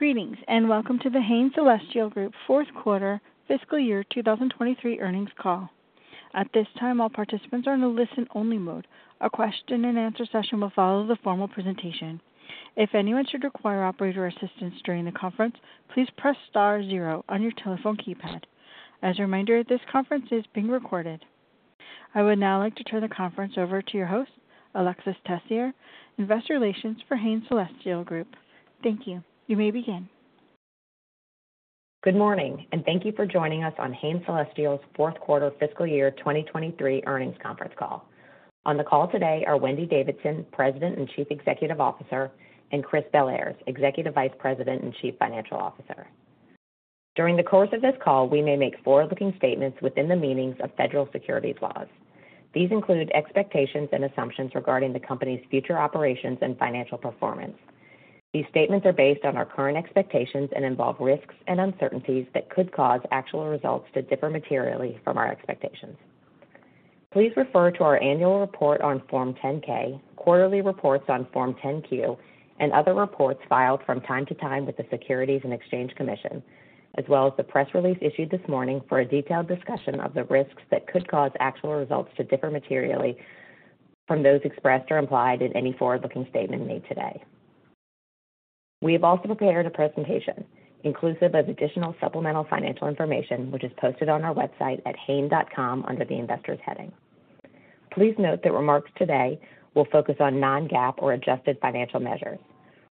Greetings, and welcome to the Hain Celestial Group fourth quarter fiscal year 2023 earnings call. At this time, all participants are in a listen-only mode. A question and answer session will follow the formal presentation. If anyone should require operator assistance during the conference, please press star zero on your telephone keypad. As a reminder, this conference is being recorded. I would now like to turn the conference over to your host, Alexis Tessier, Investor Relations for Hain Celestial Group. Thank you. You may begin. Good morning, and thank you for joining us on Hain Celestial's fourth quarter fiscal year 2023 earnings conference call. On the call today are Wendy Davidson, President and Chief Executive Officer, and Chris Bellairs, Executive Vice President and Chief Financial Officer. During the course of this call, we may make forward-looking statements within the meanings of federal securities laws. These include expectations and assumptions regarding the company's future operations and financial performance. These statements are based on our current expectations and involve risks and uncertainties that could cause actual results to differ materially from our expectations. Please refer to our annual report on Form 10-K, quarterly reports on Form 10-Q, and other reports filed from time to time with the Securities and Exchange Commission, as well as the press release issued this morning for a detailed discussion of the risks that could cause actual results to differ materially from those expressed or implied in any forward-looking statement made today. We have also prepared a presentation inclusive of additional supplemental financial information, which is posted on our website at hain.com under the Investors heading. Please note that remarks today will focus on non-GAAP or adjusted financial measures.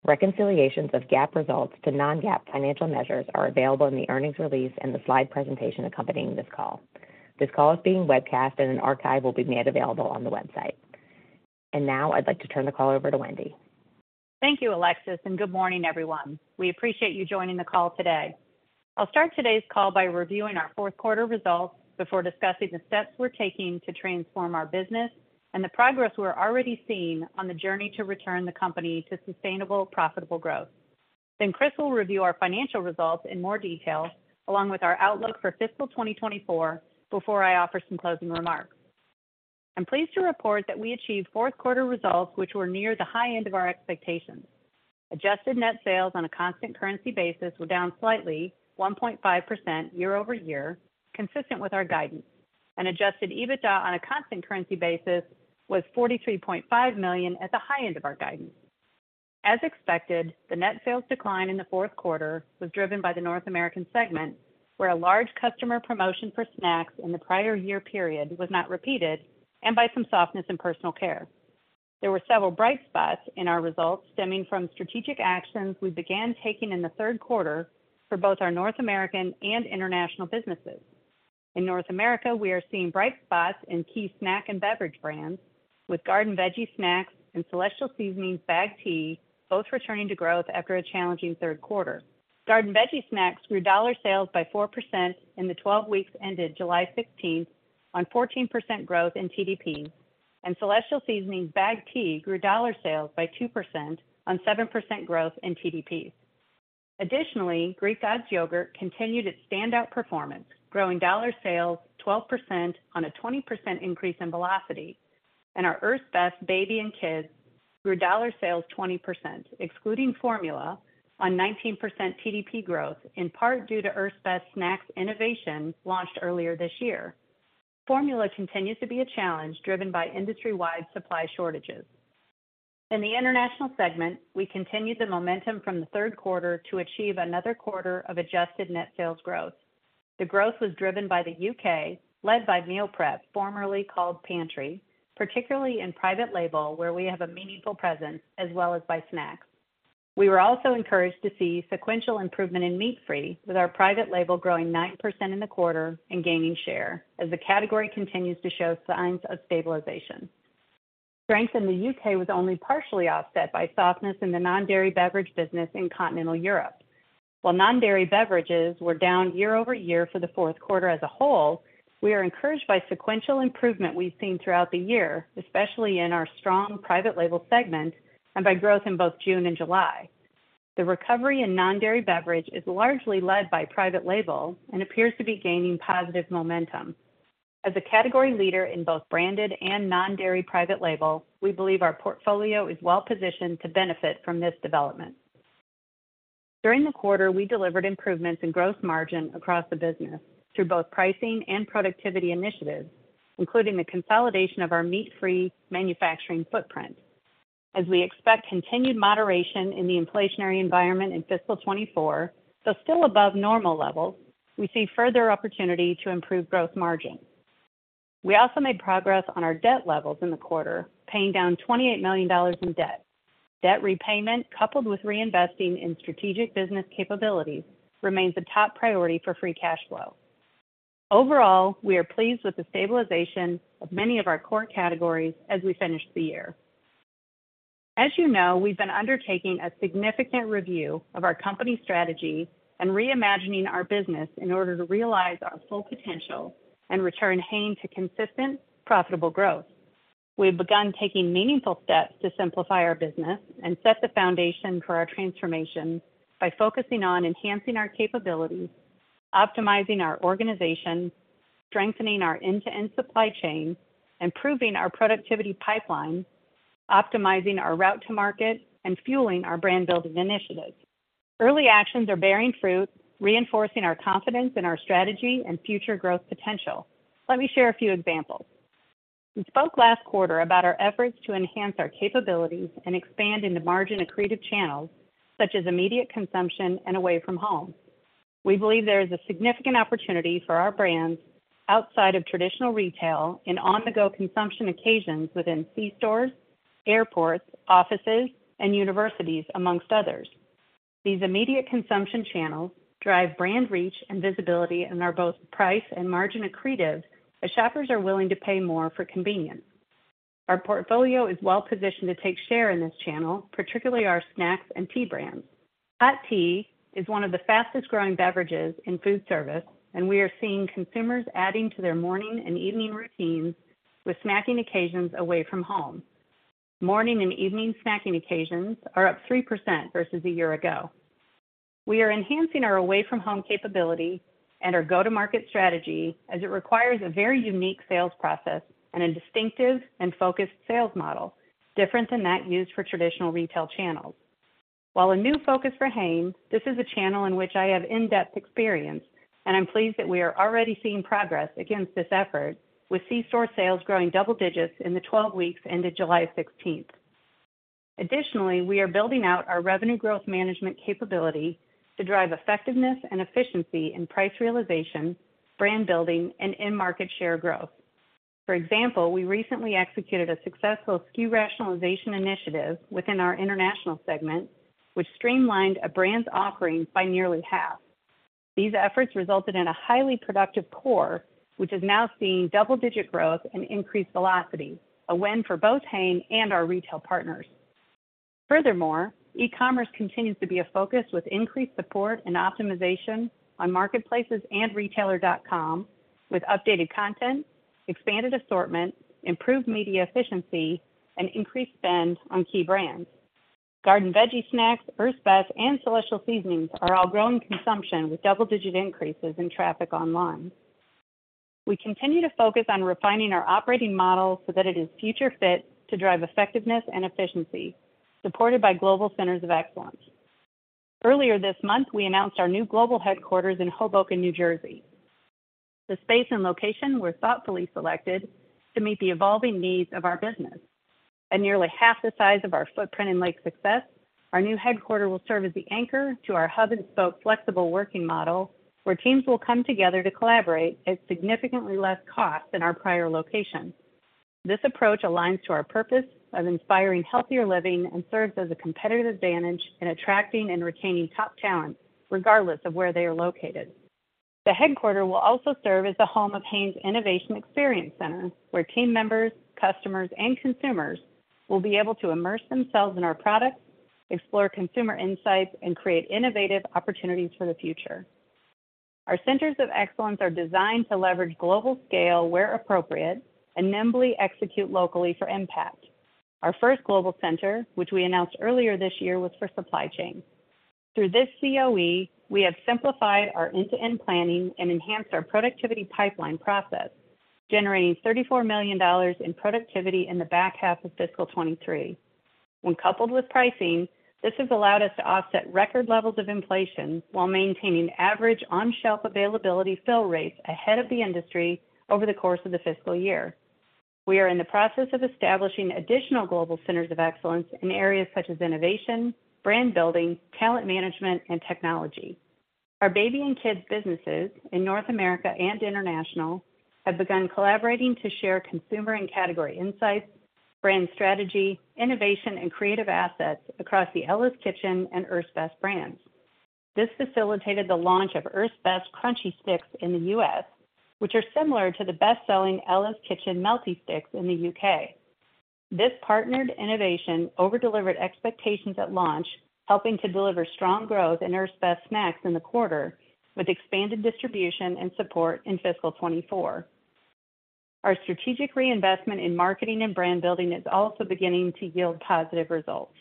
Reconciliations of GAAP results to non-GAAP financial measures are available in the earnings release and the slide presentation accompanying this call. This call is being webcast, and an archive will be made available on the website. And now I'd like to turn the call over to Wendy. Thank you, Alexis, and good morning, everyone. We appreciate you joining the call today. I'll start today's call by reviewing our fourth quarter results before discussing the steps we're taking to transform our business and the progress we're already seeing on the journey to return the company to sustainable, profitable growth. Then Chris will review our financial results in more detail, along with our outlook for fiscal 2024, before I offer some closing remarks. I'm pleased to report that we achieved fourth quarter results which were near the high end of our expectations. Adjusted net sales on a constant currency basis were down slightly, 1.5% year-over-year, consistent with our guidance, and adjusted EBITDA on a constant currency basis was $43.5 million at the high end of our guidance. As expected, the net sales decline in the fourth quarter was driven by the North American segment, where a large customer promotion for snacks in the prior year period was not repeated, and by some softness in personal care. There were several bright spots in our results stemming from strategic actions we began taking in the third quarter for both our North American and international businesses. In North America, we are seeing bright spots in key snack and beverage brands, with Garden Veggie Snacks and Celestial Seasonings bagged tea both returning to growth after a challenging third quarter. Garden Veggie Snacks grew dollar sales by 4% in the 12 weeks ended July sixteenth, on 14% growth in TDP, and Celestial Seasonings bagged tea grew dollar sales by 2% on 7% growth in TDP. Additionally, Greek Gods yogurt continued its standout performance, growing dollar sales 12% on a 20% increase in velocity, and our Earth's Best Baby and Kids grew dollar sales 20%, excluding formula, on 19% TDP growth, in part due to Earth's Best Snacks innovation launched earlier this year. Formula continues to be a challenge driven by industry-wide supply shortages. In the international segment, we continued the momentum from the third quarter to achieve another quarter of adjusted net sales growth. The growth was driven by the UK, led by Meal Prep, formerly called Pantry, particularly in private label, where we have a meaningful presence, as well as by snacks. We were also encouraged to see sequential improvement in meat-free, with our private label growing 9% in the quarter and gaining share as the category continues to show signs of stabilization. Strength in the U.K. was only partially offset by softness in the non-dairy beverage business in continental Europe. While non-dairy beverages were down year-over-year for the fourth quarter as a whole, we are encouraged by sequential improvement we've seen throughout the year, especially in our strong private label segment and by growth in both June and July. The recovery in non-dairy beverage is largely led by private label and appears to be gaining positive momentum. As a category leader in both branded and non-dairy private label, we believe our portfolio is well positioned to benefit from this development. During the quarter, we delivered improvements in growth margin across the business through both pricing and productivity initiatives, including the consolidation of our meat-free manufacturing footprint. As we expect continued moderation in the inflationary environment in fiscal 2024, though still above normal levels, we see further opportunity to improve growth margins. We also made progress on our debt levels in the quarter, paying down $28 million in debt. Debt repayment, coupled with reinvesting in strategic business capabilities, remains a top priority for free cash flow. Overall, we are pleased with the stabilization of many of our core categories as we finish the year. As you know, we've been undertaking a significant review of our company strategy and reimagining our business in order to realize our full potential and return Hain to consistent, profitable growth. We've begun taking meaningful steps to simplify our business and set the foundation for our transformation by focusing on enhancing our capabilities-... Optimizing our organization, strengthening our end-to-end supply chain, improving our productivity pipeline, optimizing our route to market, and fueling our brand-building initiatives. Early actions are bearing fruit, reinforcing our confidence in our strategy and future growth potential. Let me share a few examples. We spoke last quarter about our efforts to enhance our capabilities and expand in the margin-accretive channels, such as immediate consumption and away from home. We believe there is a significant opportunity for our brands outside of traditional retail in on-the-go consumption occasions within C stores, airports, offices, and universities, among others. These immediate consumption channels drive brand reach and visibility and are both price and margin accretive, as shoppers are willing to pay more for convenience. Our portfolio is well positioned to take share in this channel, particularly our snacks and tea brands. Hot tea is one of the fastest-growing beverages in food service, and we are seeing consumers adding to their morning and evening routines with snacking occasions away from home. Morning and evening snacking occasions are up 3% versus a year ago. We are enhancing our away from home capability and our go-to-market strategy, as it requires a very unique sales process and a distinctive and focused sales model, different than that used for traditional retail channels. While a new focus for Hain, this is a channel in which I have in-depth experience, and I'm pleased that we are already seeing progress against this effort, with c-store sales growing double digits in the 12 weeks ended July sixteenth. Additionally, we are building out our revenue growth management capability to drive effectiveness and efficiency in price realization, brand building, and in-market share growth. For example, we recently executed a successful SKU rationalization initiative within our international segment, which streamlined a brand's offerings by nearly half. These efforts resulted in a highly productive core, which is now seeing double-digit growth and increased velocity, a win for both Hain and our retail partners. Furthermore, e-commerce continues to be a focus, with increased support and optimization on marketplaces and retailer.com, with updated content, expanded assortment, improved media efficiency, and increased spend on key brands. Garden Veggie Snacks, Earth's Best, and Celestial Seasonings are all growing consumption, with double-digit increases in traffic online. We continue to focus on refining our operating model so that it is future fit to drive effectiveness and efficiency, supported by global centers of excellence. Earlier this month, we announced our new global headquarters in Hoboken, New Jersey. The space and location were thoughtfully selected to meet the evolving needs of our business. At nearly half the size of our footprint in Lake Success, our new headquarters will serve as the anchor to our hub and spoke, flexible working model, where teams will come together to collaborate at significantly less cost than our prior location. This approach aligns to our purpose of inspiring healthier living and serves as a competitive advantage in attracting and retaining top talent, regardless of where they are located. The headquarters will also serve as the home of Hain's Innovation Experience Center, where team members, customers, and consumers will be able to immerse themselves in our products, explore consumer insights, and create innovative opportunities for the future. Our centers of excellence are designed to leverage global scale where appropriate and nimbly execute locally for impact. Our first global center, which we announced earlier this year, was for supply chain. Through this COE, we have simplified our end-to-end planning and enhanced our productivity pipeline process, generating $34 million in productivity in the back half of fiscal 2023. When coupled with pricing, this has allowed us to offset record levels of inflation while maintaining average on-shelf availability fill rates ahead of the industry over the course of the fiscal year. We are in the process of establishing additional global centers of excellence in areas such as innovation, brand building, talent management, and technology. Our baby and kids businesses in North America and International have begun collaborating to share consumer and category insights, brand strategy, innovation, and creative assets across the Ella's Kitchen and Earth's Best brands. This facilitated the launch of Earth's Best Crunchy Sticks in the U.S., which are similar to the best-selling Ella's Kitchen Melty Sticks in the U.K. This partnered innovation over-delivered expectations at launch, helping to deliver strong growth in Earth's Best Snacks in the quarter, with expanded distribution and support in fiscal 2024. Our strategic reinvestment in marketing and brand building is also beginning to yield positive results.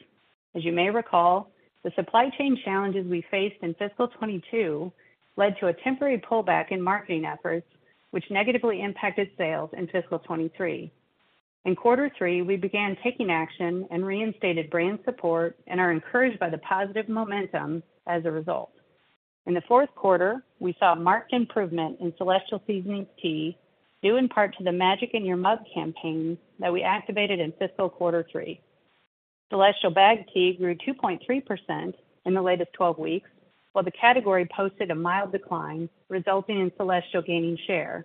As you may recall, the supply chain challenges we faced in fiscal 2022 led to a temporary pullback in marketing efforts, which negatively impacted sales in fiscal 2023. In quarter three, we began taking action and reinstated brand support, and are encouraged by the positive momentum as a result. In the fourth quarter, we saw a marked improvement in Celestial Seasonings Tea, due in part to the Magic in Your Mug campaign that we activated in fiscal quarter three. Celestial Bagged Tea grew 2.3% in the latest 12 weeks, while the category posted a mild decline, resulting in Celestial gaining share.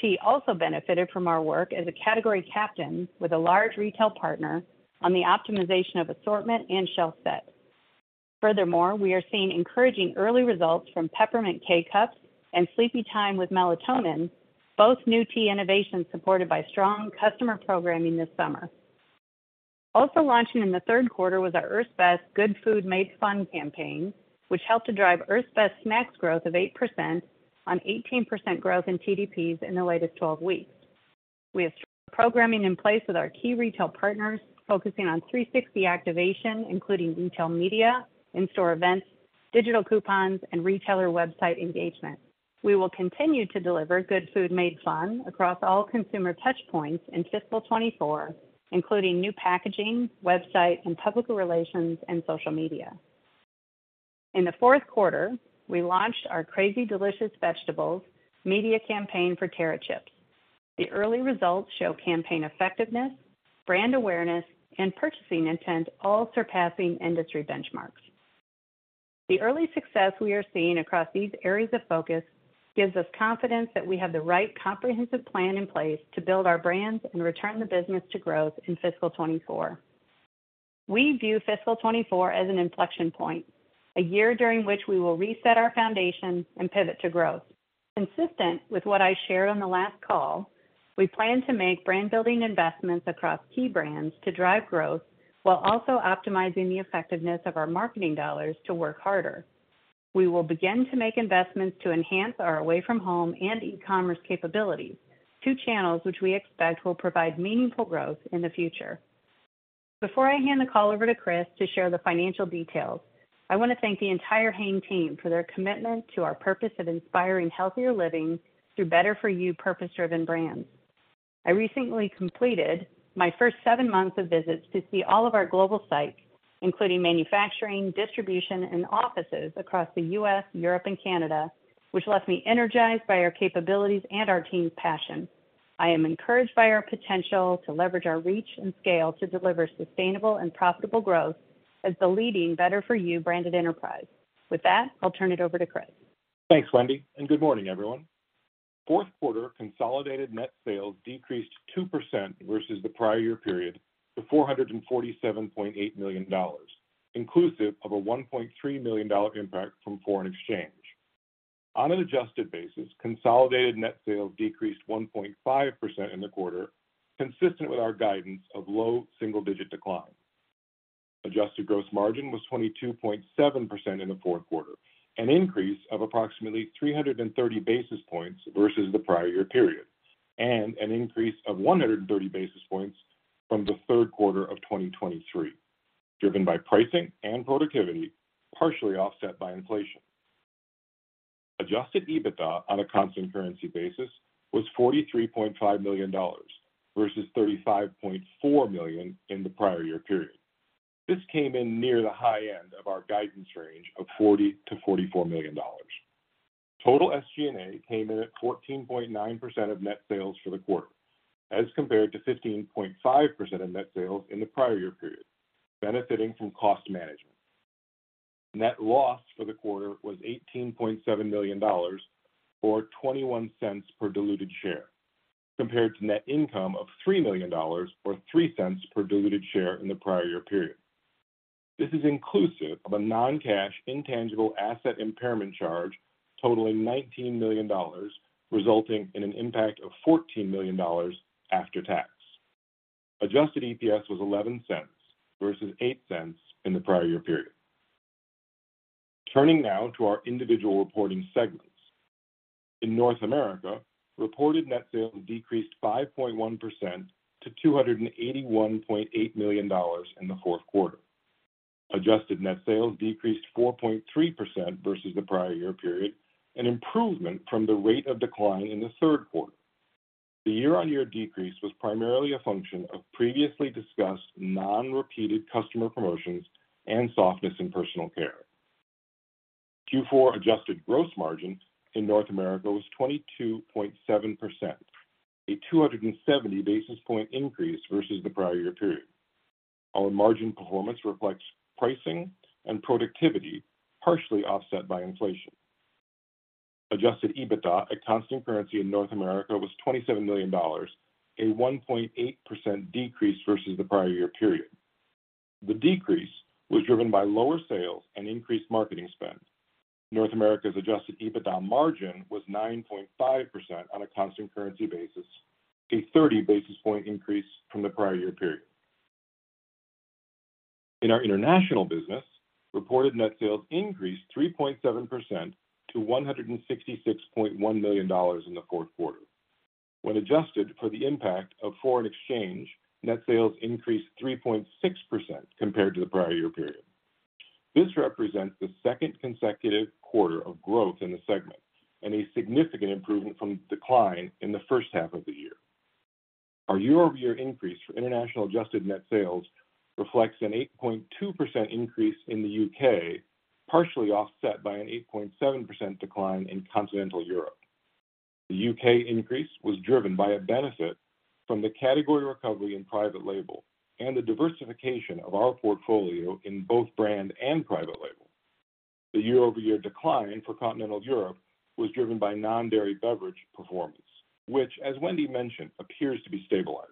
Tea also benefited from our work as a category captain with a large retail partner on the optimization of assortment and shelf set. Furthermore, we are seeing encouraging early results from Peppermint K-Cups and Sleepytime with Melatonin, both new tea innovations supported by strong customer programming this summer. Also launching in the third quarter was our Earth's Best Good Food Made Fun campaign, which helped to drive Earth's Best Snacks growth of 8% on 18% growth in TDPs in the latest 12 weeks. We have programming in place with our key retail partners, focusing on 360 activation, including retail media, in-store events, digital coupons, and retailer website engagement. We will continue to deliver good food made fun across all consumer touchpoints in fiscal 2024, including new packaging, website, and public relations and social media. In the fourth quarter, we launched our Crazy Delicious Vegetables media campaign for Terra Chips. The early results show campaign effectiveness, brand awareness, and purchasing intent, all surpassing industry benchmarks. The early success we are seeing across these areas of focus gives us confidence that we have the right comprehensive plan in place to build our brands and return the business to growth in fiscal 2024. We view fiscal 2024 as an inflection point, a year during which we will reset our foundation and pivot to growth. Consistent with what I shared on the last call, we plan to make brand-building investments across key brands to drive growth while also optimizing the effectiveness of our marketing dollars to work harder. We will begin to make investments to enhance our away-from-home and e-commerce capabilities, two channels which we expect will provide meaningful growth in the future. Before I hand the call over to Chris to share the financial details, I want to thank the entire Hain team for their commitment to our purpose of inspiring healthier living through better-for-you purpose-driven brands. I recently completed my first seven months of visits to see all of our global sites, including manufacturing, distribution, and offices across the U.S., Europe, and Canada, which left me energized by our capabilities and our team's passion. I am encouraged by our potential to leverage our reach and scale to deliver sustainable and profitable growth as the leading better-for-you branded enterprise. With that, I'll turn it over to Chris. Thanks, Wendy, and good morning, everyone. Fourth quarter consolidated net sales decreased 2% versus the prior year period to $447.8 million, inclusive of a $1.3 million impact from foreign exchange. On an adjusted basis, consolidated net sales decreased 1.5% in the quarter, consistent with our guidance of low single-digit decline. Adjusted gross margin was 22.7% in the fourth quarter, an increase of approximately 330 basis points versus the prior year period, and an increase of 130 basis points from the third quarter of 2023, driven by pricing and productivity, partially offset by inflation. Adjusted EBITDA on a constant currency basis was $43.5 million versus $35.4 million in the prior year period. This came in near the high end of our guidance range of $40 million-$44 million. Total SG&A came in at 14.9% of net sales for the quarter, as compared to 15.5% of net sales in the prior year period, benefiting from cost management. Net loss for the quarter was $18.7 million, or $0.21 per diluted share, compared to net income of $3 million or $0.03 per diluted share in the prior year period. This is inclusive of a non-cash, intangible asset impairment charge totaling $19 million, resulting in an impact of $14 million after tax. Adjusted EPS was $0.11 versus $0.08 in the prior year period. Turning now to our individual reporting segments. In North America, reported net sales decreased 5.1% to $281.8 million in the fourth quarter. Adjusted net sales decreased 4.3% versus the prior year period, an improvement from the rate of decline in the third quarter. The year-on-year decrease was primarily a function of previously discussed non-repeated customer promotions and softness in personal care. Q4 adjusted gross margin in North America was 22.7%, a 270 basis point increase versus the prior year period. Our margin performance reflects pricing and productivity, partially offset by inflation. Adjusted EBITDA at constant currency in North America was $27 million, a 1.8% decrease versus the prior year period. The decrease was driven by lower sales and increased marketing spend. North America's adjusted EBITDA margin was 9.5% on a constant currency basis, a 30 basis point increase from the prior year period. In our international business, reported net sales increased 3.7% to $166.1 million in the fourth quarter. When adjusted for the impact of foreign exchange, net sales increased 3.6% compared to the prior year period. This represents the second consecutive quarter of growth in the segment and a significant improvement from decline in the first half of the year. Our year-over-year increase for international adjusted net sales reflects an 8.2% increase in the UK, partially offset by an 8.7% decline in Continental Europe. The UK increase was driven by a benefit from the category recovery in private label and the diversification of our portfolio in both brand and private label. The year-over-year decline for Continental Europe was driven by non-dairy beverage performance, which, as Wendy mentioned, appears to be stabilizing.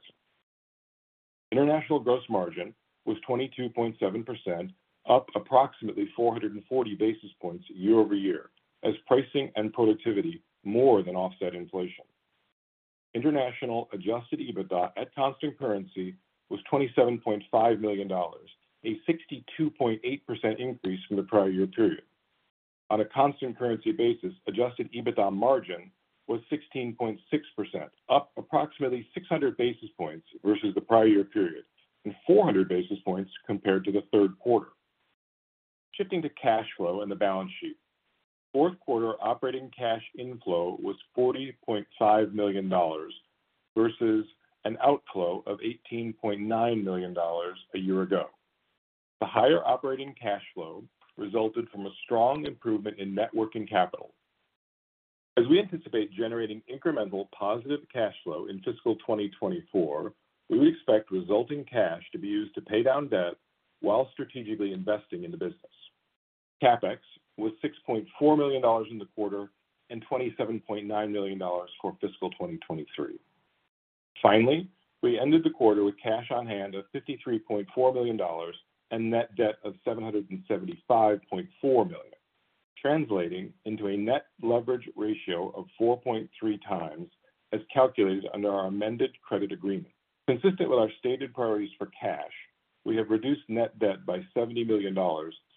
International gross margin was 22.7%, up approximately 440 basis points year-over-year, as pricing and productivity more than offset inflation. International Adjusted EBITDA at constant currency was $27.5 million, a 62.8% increase from the prior year period. On a constant currency basis, Adjusted EBITDA margin was 16.6%, up approximately 600 basis points versus the prior year period, and 400 basis points compared to the third quarter. Shifting to cash flow and the balance sheet. Fourth quarter operating cash inflow was $40.5 million versus an outflow of $18.9 million a year ago. The higher operating cash flow resulted from a strong improvement in net working capital. As we anticipate generating incremental positive cash flow in fiscal 2024, we expect resulting cash to be used to pay down debt while strategically investing in the business. CapEx was $6.4 million in the quarter and $27.9 million for fiscal 2023. Finally, we ended the quarter with cash on hand of $53.4 million and net debt of $775.4 million, translating into a net leverage ratio of 4.3 times, as calculated under our amended credit agreement. Consistent with our stated priorities for cash, we have reduced net debt by $70 million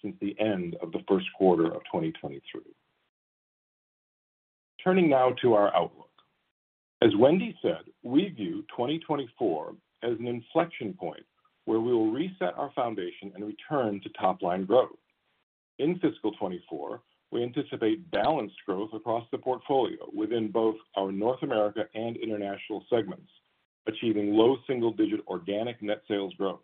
since the end of the first quarter of 2023. Turning now to our outlook. As Wendy said, we view 2024 as an inflection point where we will reset our foundation and return to top-line growth. In fiscal 2024, we anticipate balanced growth across the portfolio within both our North America and international segments, achieving low single-digit organic net sales growth.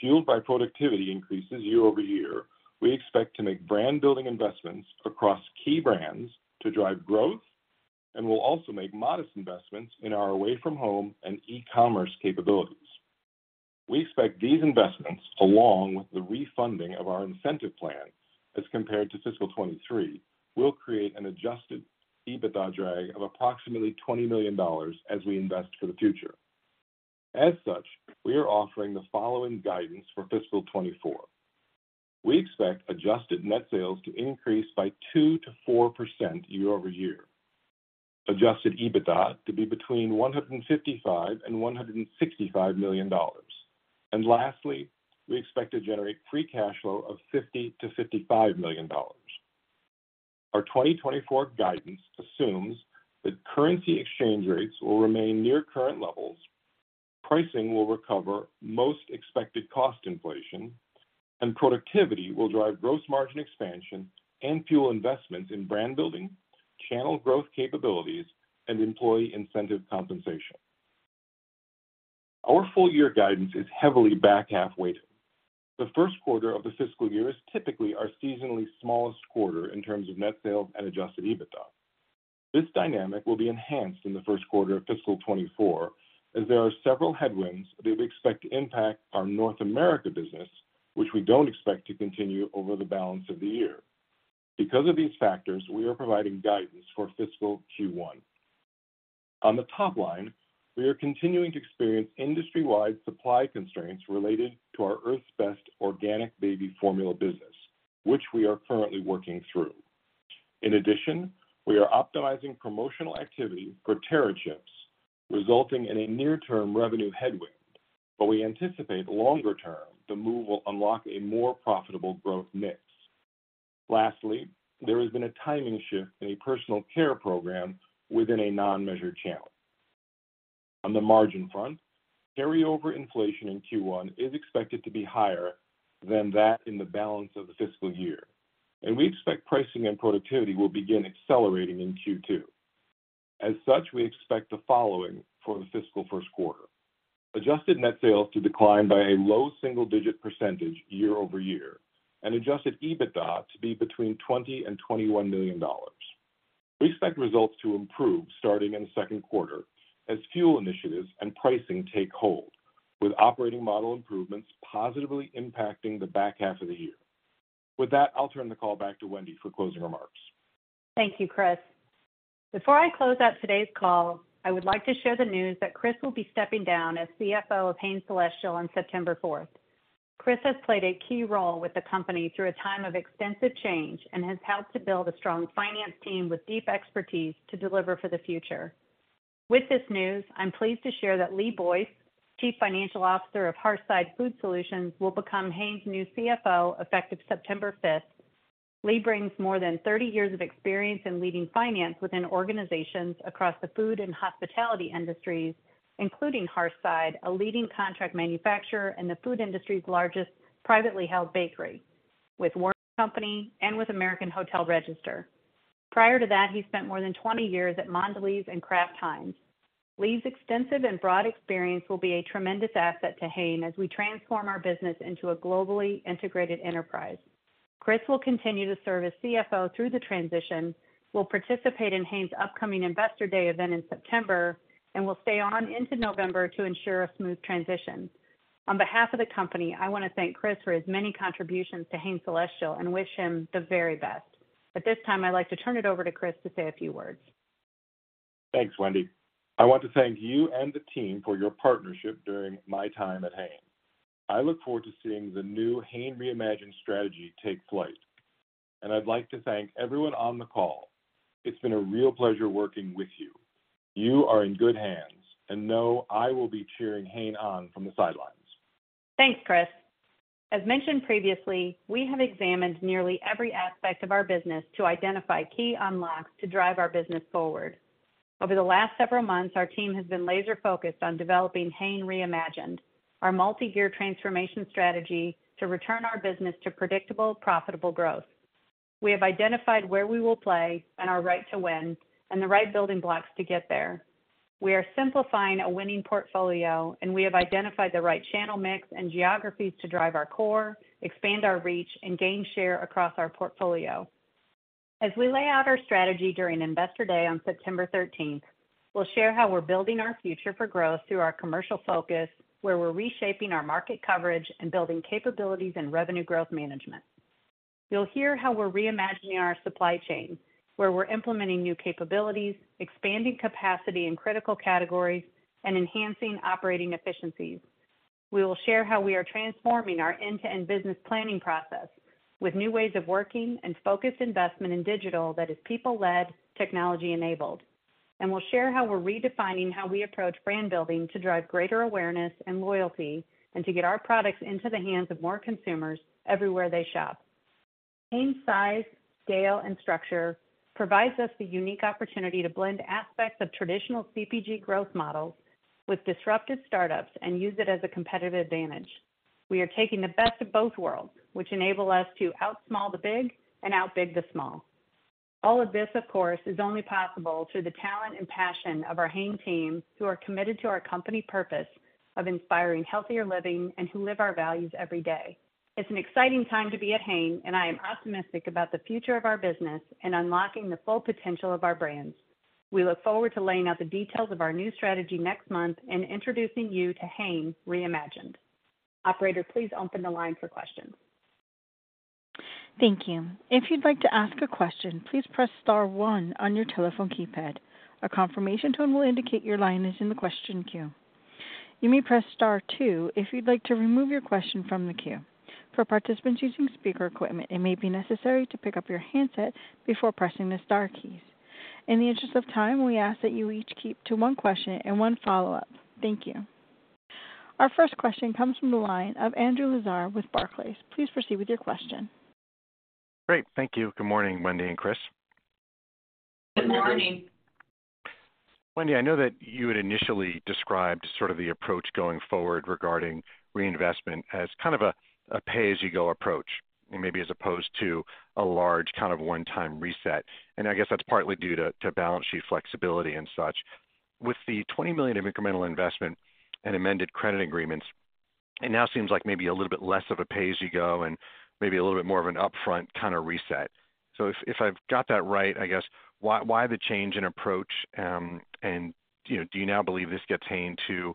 Fueled by productivity increases year-over-year, we expect to make brand-building investments across key brands to drive growth and will also make modest investments in our away-from-home and e-commerce capabilities. We expect these investments, along with the refunding of our incentive plan as compared to fiscal 2023, will create an Adjusted EBITDA drag of approximately $20 million as we invest for the future. As such, we are offering the following guidance for fiscal 2024. We expect adjusted net sales to increase by 2%-4% year-over-year, adjusted EBITDA to be between $155 million and $165 million, and lastly, we expect to generate free cash flow of $50-$55 million. Our 2024 guidance assumes that currency exchange rates will remain near current levels, pricing will recover most expected cost inflation, and productivity will drive gross margin expansion and fuel investments in brand building, channel growth capabilities, and employee incentive compensation. Our full-year guidance is heavily back-half weighted. The first quarter of the fiscal year is typically our seasonally smallest quarter in terms of net sales and adjusted EBITDA. This dynamic will be enhanced in the first quarter of fiscal 2024, as there are several headwinds that we expect to impact our North America business, which we don't expect to continue over the balance of the year. Because of these factors, we are providing guidance for fiscal Q1. On the top line, we are continuing to experience industry-wide supply constraints related to our Earth's Best Organic Baby Formula business, which we are currently working through. In addition, we are optimizing promotional activity for Terra Chips, resulting in a near-term revenue headwind, but we anticipate longer term, the move will unlock a more profitable growth mix. Lastly, there has been a timing shift in a personal care program within a non-measured channel. On the margin front, carryover inflation in Q1 is expected to be higher than that in the balance of the fiscal year, and we expect pricing and productivity will begin accelerating in Q2. As such, we expect the following for the fiscal first quarter: Adjusted net sales to decline by a low single-digit percentage year-over-year and Adjusted EBITDA to be between $20 million and $21 million. We expect results to improve starting in the second quarter as fuel initiatives and pricing take hold, with operating model improvements positively impacting the back half of the year. With that, I'll turn the call back to Wendy for closing remarks. Thank you, Chris. Before I close out today's call, I would like to share the news that Chris will be stepping down as CFO of Hain Celestial on September fourth. Chris has played a key role with the company through a time of extensive change and has helped to build a strong finance team with deep expertise to deliver for the future. With this news, I'm pleased to share that Lee Boyce, Chief Financial Officer of Hearthside Food Solutions, will become Hain's new CFO, effective September fifth. Lee brings more than 30 years of experience in leading finance within organizations across the food and hospitality industries, including Hearthside, a leading contract manufacturer and the food industry's largest privately held bakery, with WernerCo. and with American Hotel Register. Prior to that, he spent more than 20 years at Mondelez and Kraft Heinz. Lee's extensive and broad experience will be a tremendous asset to Hain as we transform our business into a globally integrated enterprise. Chris will continue to serve as CFO through the transition, will participate in Hain's upcoming Investor Day event in September, and will stay on into November to ensure a smooth transition. On behalf of the company, I want to thank Chris for his many contributions to Hain Celestial and wish him the very best. At this time, I'd like to turn it over to Chris to say a few words. Thanks, Wendy. I want to thank you and the team for your partnership during my time at Hain. I look forward to seeing the new Hain Reimagined strategy take flight, and I'd like to thank everyone on the call. It's been a real pleasure working with you. You are in good hands, and know I will be cheering Hain on from the sidelines.... Thanks, Chris. As mentioned previously, we have examined nearly every aspect of our business to identify key unlocks to drive our business forward. Over the last several months, our team has been laser-focused on developing Hain Reimagined, our multi-year transformation strategy to return our business to predictable, profitable growth. We have identified where we will play and our right to win, and the right building blocks to get there. We are simplifying a winning portfolio, and we have identified the right channel mix and geographies to drive our core, expand our reach, and gain share across our portfolio. As we lay out our strategy during Investor Day on September thirteenth, we'll share how we're building our future for growth through our commercial focus, where we're reshaping our market coverage and building capabilities and revenue growth management. You'll hear how we're reimagining our supply chain, where we're implementing new capabilities, expanding capacity in critical categories, and enhancing operating efficiencies. We will share how we are transforming our end-to-end business planning process with new ways of working and focused investment in digital that is people-led, technology-enabled. We'll share how we're redefining how we approach brand building to drive greater awareness and loyalty, and to get our products into the hands of more consumers everywhere they shop. Hain's size, scale, and structure provides us the unique opportunity to blend aspects of traditional CPG growth models with disruptive startups and use it as a competitive advantage. We are taking the best of both worlds, which enable us to out small the big and out big the small. All of this, of course, is only possible through the talent and passion of our Hain team, who are committed to our company purpose of inspiring healthier living and who live our values every day. It's an exciting time to be at Hain, and I am optimistic about the future of our business and unlocking the full potential of our brands. We look forward to laying out the details of our new strategy next month and introducing you to Hain Reimagined. Operator, please open the line for questions. Thank you. If you'd like to ask a question, please press star one on your telephone keypad. A confirmation tone will indicate your line is in the question queue. You may press star two if you'd like to remove your question from the queue. For participants using speaker equipment, it may be necessary to pick up your handset before pressing the star keys. In the interest of time, we ask that you each keep to one question and one follow-up. Thank you. Our first question comes from the line of Andrew Lazar with Barclays. Please proceed with your question. Great. Thank you. Good morning, Wendy and Chris. Good morning. Good morning. Wendy, I know that you had initially described sort of the approach going forward regarding reinvestment as kind of a pay-as-you-go approach, maybe as opposed to a large kind of one-time reset. I guess that's partly due to balance sheet flexibility and such. With the $20 million of incremental investment and amended credit agreements, it now seems like maybe a little bit less of a pay as you go and maybe a little bit more of an upfront kind of reset. So if I've got that right, I guess, why the change in approach? And, you know, do you now believe this gets Hain to,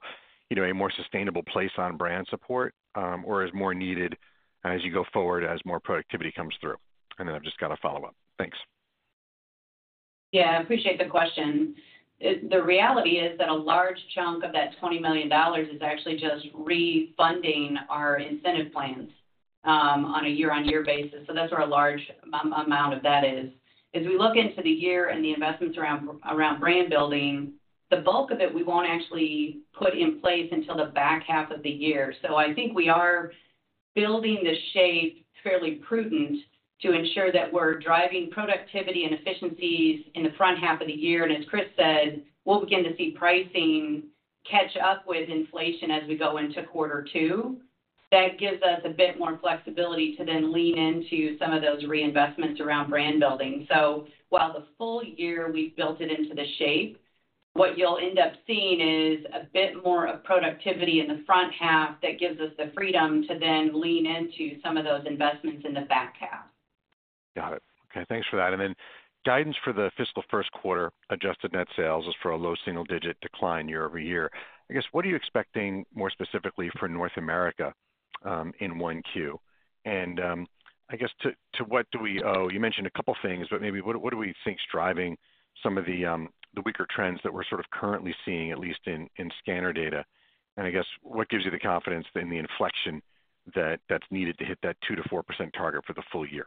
you know, a more sustainable place on brand support, or is more needed as you go forward, as more productivity comes through? Then I've just got a follow-up. Thanks. Yeah, I appreciate the question. The reality is that a large chunk of that $20 million is actually just refunding our incentive plans on a year-on-year basis. So that's where a large amount of that is. As we look into the year and the investments around brand building, the bulk of it we won't actually put in place until the back half of the year. So I think we are building the shape fairly prudent to ensure that we're driving productivity and efficiencies in the front half of the year. And as Chris said, we'll begin to see pricing catch up with inflation as we go into quarter two. That gives us a bit more flexibility to then lean into some of those reinvestments around brand building. While the full year we've built it into the shape, what you'll end up seeing is a bit more of productivity in the front half that gives us the freedom to then lean into some of those investments in the back half. Got it. Okay, thanks for that. And then, guidance for the fiscal first quarter adjusted net sales is for a low single-digit decline year-over-year. I guess, what are you expecting more specifically for North America, in 1Q? And, I guess to, to what do we owe-- You mentioned a couple of things, but maybe what, what do we think is driving some of the, the weaker trends that we're sort of currently seeing, at least in, in scanner data? And I guess, what gives you the confidence in the inflection that that's needed to hit that 2%-4% target for the full year?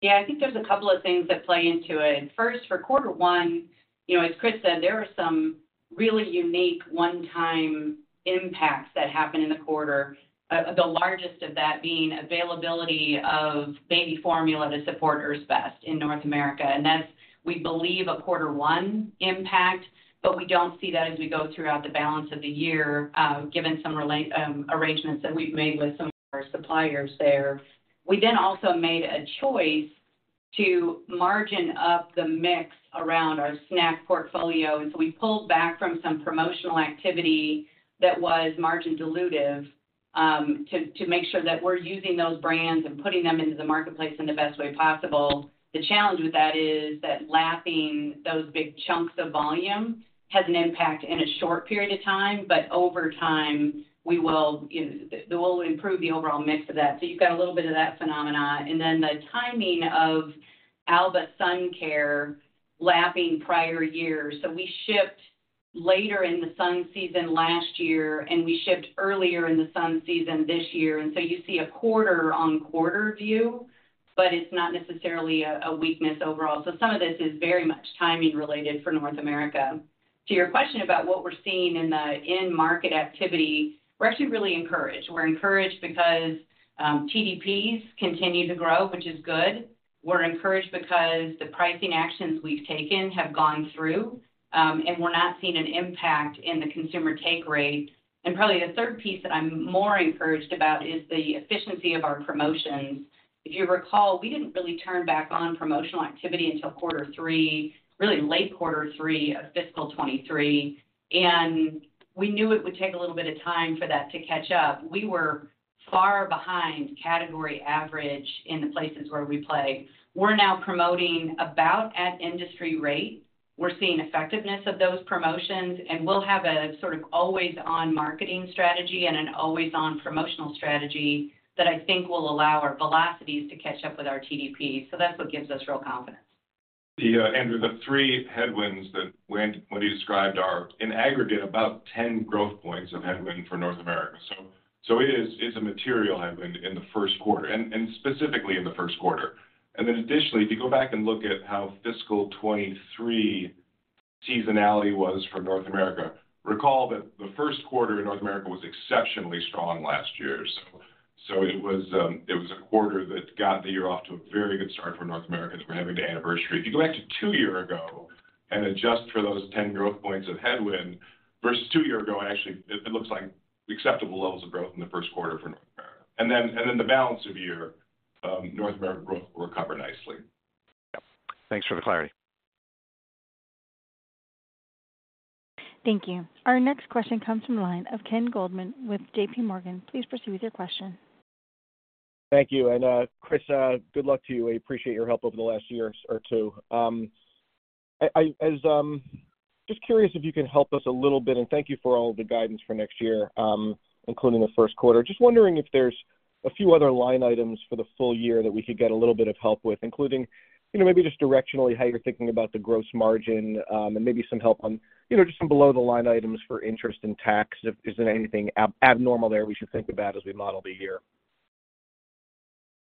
Yeah, I think there's a couple of things that play into it. First, for quarter one, you know, as Chris said, there are some really unique one-time impacts that happened in the quarter. The largest of that being availability of baby formula to support Earth's Best in North America, and that's, we believe, a quarter one impact, but we don't see that as we go throughout the balance of the year, given some arrangements that we've made with some of our suppliers there. We then also made a choice to margin up the mix around our snack portfolio, and so we pulled back from some promotional activity that was margin dilutive, to make sure that we're using those brands and putting them into the marketplace in the best way possible. The challenge with that is that lapping those big chunks of volume has an impact in a short period of time, but over time, we will, you know, we'll improve the overall mix of that. So you've got a little bit of that phenomena. And then the timing of Alba Sun Care lapping prior years. So we shipped later in the sun season last year, and we shipped earlier in the sun season this year, and so you see a quarter-on-quarter view, but it's not necessarily a weakness overall. So some of this is very much timing related for North America. To your question about what we're seeing in the in-market activity, we're actually really encouraged. We're encouraged because, TDPs continue to grow, which is good. We're encouraged because the pricing actions we've taken have gone through, and we're not seeing an impact in the consumer take rate. And probably the third piece that I'm more encouraged about is the efficiency of our promotions. If you recall, we didn't really turn back on promotional activity until quarter three, really late quarter three of fiscal 2023, and we knew it would take a little bit of time for that to catch up. We were far behind category average in the places where we play. We're now promoting about at industry rate. We're seeing effectiveness of those promotions, and we'll have a sort of always-on marketing strategy and an always-on promotional strategy that I think will allow our velocities to catch up with our TDP. So that's what gives us real confidence. Yeah, Andrew, the three headwinds that Wendy, what you described, are in aggregate, about 10 growth points of headwind for North America. So, so it is, it's a material headwind in the first quarter, and, and specifically in the first quarter. And then additionally, if you go back and look at how fiscal 2023 seasonality was for North America, recall that the first quarter in North America was exceptionally strong last year. So, so it was, it was a quarter that got the year off to a very good start for North America as we're having the anniversary. If you go back to two years ago and adjust for those 10 growth points of headwind versus two years ago, and actually it, it looks like acceptable levels of growth in the first quarter for North America. And then the balance of the year, North America growth will recover nicely. Yep. Thanks for the clarity. Thank you. Our next question comes from the line of Ken Goldman with JPMorgan. Please proceed with your question. Thank you, and Chris, good luck to you. I appreciate your help over the last year or two. I was just curious if you could help us a little bit, and thank you for all the guidance for next year, including the first quarter. Just wondering if there's a few other line items for the full year that we could get a little bit of help with, including, you know, maybe just directionally, how you're thinking about the gross margin, and maybe some help on, you know, just some below-the-line items for interest and tax. Is there anything abnormal there we should think about as we model the year?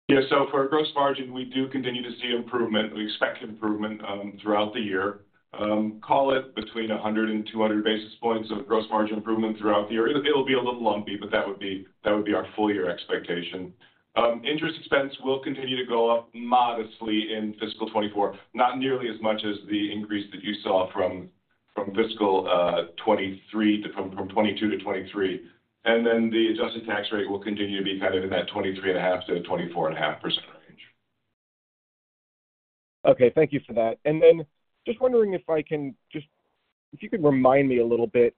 Yeah, so for our gross margin, we do continue to see improvement. We expect improvement throughout the year. Call it between 100 and 200 basis points of gross margin improvement throughout the year. It'll be a little lumpy, but that would be our full year expectation. Interest expense will continue to go up modestly in fiscal 2024, not nearly as much as the increase that you saw from fiscal 2023 to from 2022 to 2023. And then the adjusted tax rate will continue to be kind of in that 23.5%-24.5% range. Okay, thank you for that. Then just wondering if I can just... If you could remind me a little bit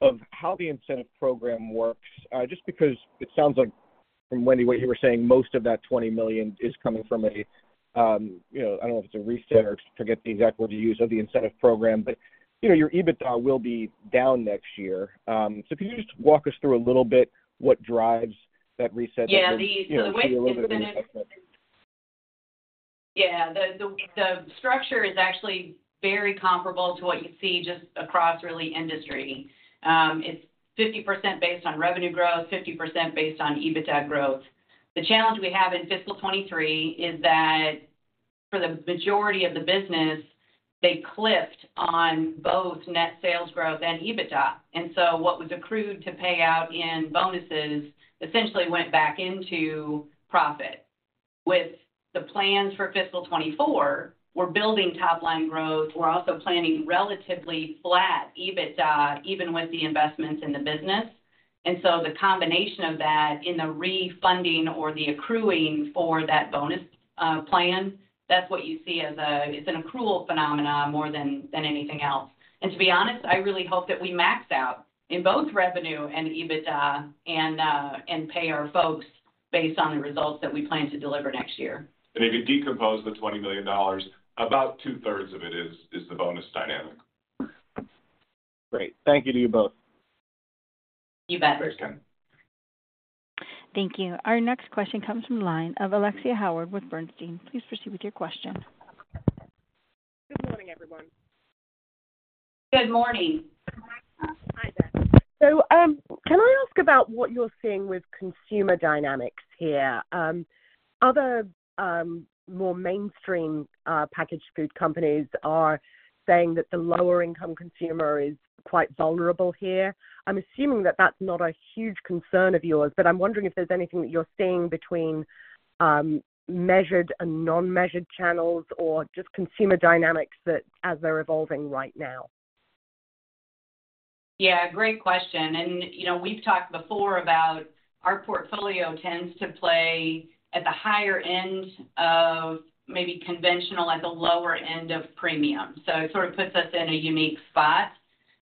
of how the incentive program works, just because it sounds like from Wendy, what you were saying, most of that $20 million is coming from a, you know, I don't know if it's a reset or forget the exact word to use of the incentive program, but, you know, your EBITDA will be down next year. So can you just walk us through a little bit what drives that reset? Yeah, the- You know, a little bit- Yeah. The structure is actually very comparable to what you see just across really industry. It's 50% based on revenue growth, 50% based on EBITDA growth. The challenge we have in fiscal 2023 is that for the majority of the business, they clipped on both net sales growth and EBITDA, and so what was accrued to pay out in bonuses essentially went back into profit. With the plans for fiscal 2024, we're building top-line growth. We're also planning relatively flat EBITDA, even with the investments in the business. And so the combination of that in the refunding or the accruing for that bonus plan, that's what you see as a, it's an accrual phenomenon more than anything else. To be honest, I really hope that we max out in both revenue and EBITDA and pay our folks based on the results that we plan to deliver next year. If you decompose the $20 million, about two-thirds of it is the bonus dynamic. Great. Thank you to you both. You bet. Thanks, Ken. Thank you. Our next question comes from the line of Alexia Howard with Bernstein. Please proceed with your question. Good morning, everyone. Good morning. Hi there. So, can I ask about what you're seeing with consumer dynamics here? Other, more mainstream, packaged food companies are saying that the lower income consumer is quite vulnerable here. I'm assuming that that's not a huge concern of yours, but I'm wondering if there's anything that you're seeing between, measured and non-measured channels or just consumer dynamics that as they're evolving right now. Yeah, great question. And, you know, we've talked before about our portfolio tends to play at the higher end of maybe conventional, at the lower end of premium. So it sort of puts us in a unique spot.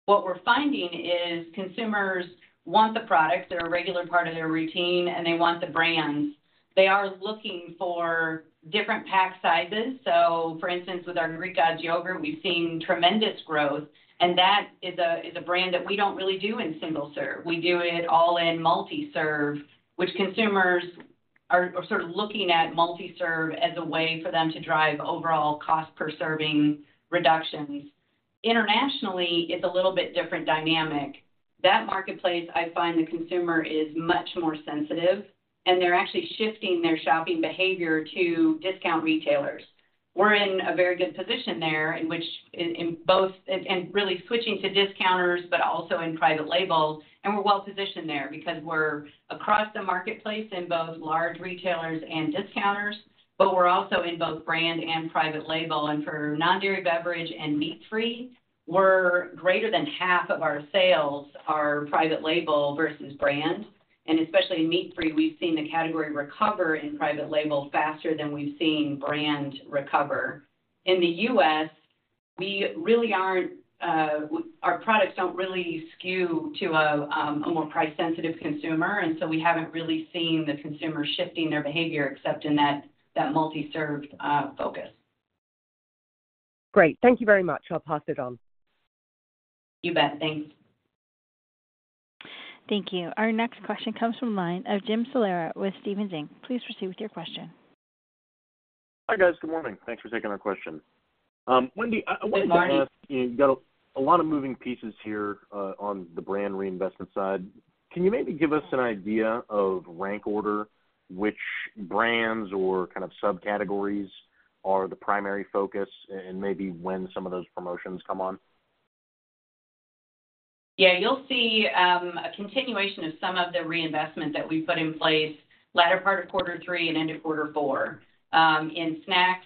What we're finding is consumers want the products that are a regular part of their routine, and they want the brands. They are looking for different pack sizes. So for instance, with our Greek Gods yogurt, we've seen tremendous growth, and that is a brand that we don't really do in single serve. We do it all in multi-serve, which consumers are sort of looking at multi-serve as a way for them to drive overall cost per serving reductions. Internationally, it's a little bit different dynamic. That marketplace, I find the consumer is much more sensitive, and they're actually shifting their shopping behavior to discount retailers. We're in a very good position there, in both, and really switching to discounters, but also in private label, and we're well positioned there because we're across the marketplace in both large retailers and discounters, but we're also in both brand and private label. And for non-dairy beverage and meat-free, we're greater than half of our sales are private label versus brand, and especially in meat-free, we've seen the category recover in private label faster than we've seen brand recover. In the U.S., we really aren't, our products don't really skew to a more price-sensitive consumer, and so we haven't really seen the consumer shifting their behavior except in that multi-serve focus. Great. Thank you very much. I'll pass it on. You bet. Thanks. Thank you. Our next question comes from the line of Jim Salera with Stephens Inc. Please proceed with your question. Hi, guys. Good morning. Thanks for taking our question. Wendy, I wanted to ask- Hey, Marty. You've got a lot of moving pieces here, on the brand reinvestment side. Can you maybe give us an idea of rank order, which brands or kind of subcategories are the primary focus, and maybe when some of those promotions come on? Yeah, you'll see a continuation of some of the reinvestment that we put in place latter part of quarter three and into quarter four, in snacks,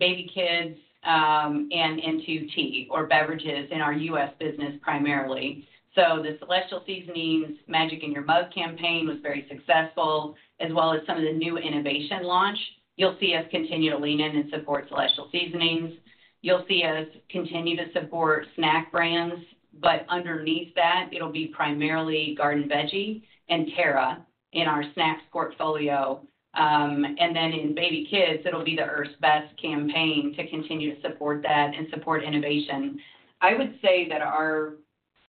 baby kids, and into tea or beverages in our US business primarily. So the Celestial Seasonings Magic in Your Mug campaign was very successful, as well as some of the new innovation launch. You'll see us continue to lean in and support Celestial Seasonings. You'll see us continue to support snack brands, but underneath that, it'll be primarily Garden Veggie and Terra in our snacks portfolio. And then in baby kids, it'll be the Earth's Best campaign to continue to support that and support innovation. I would say that our...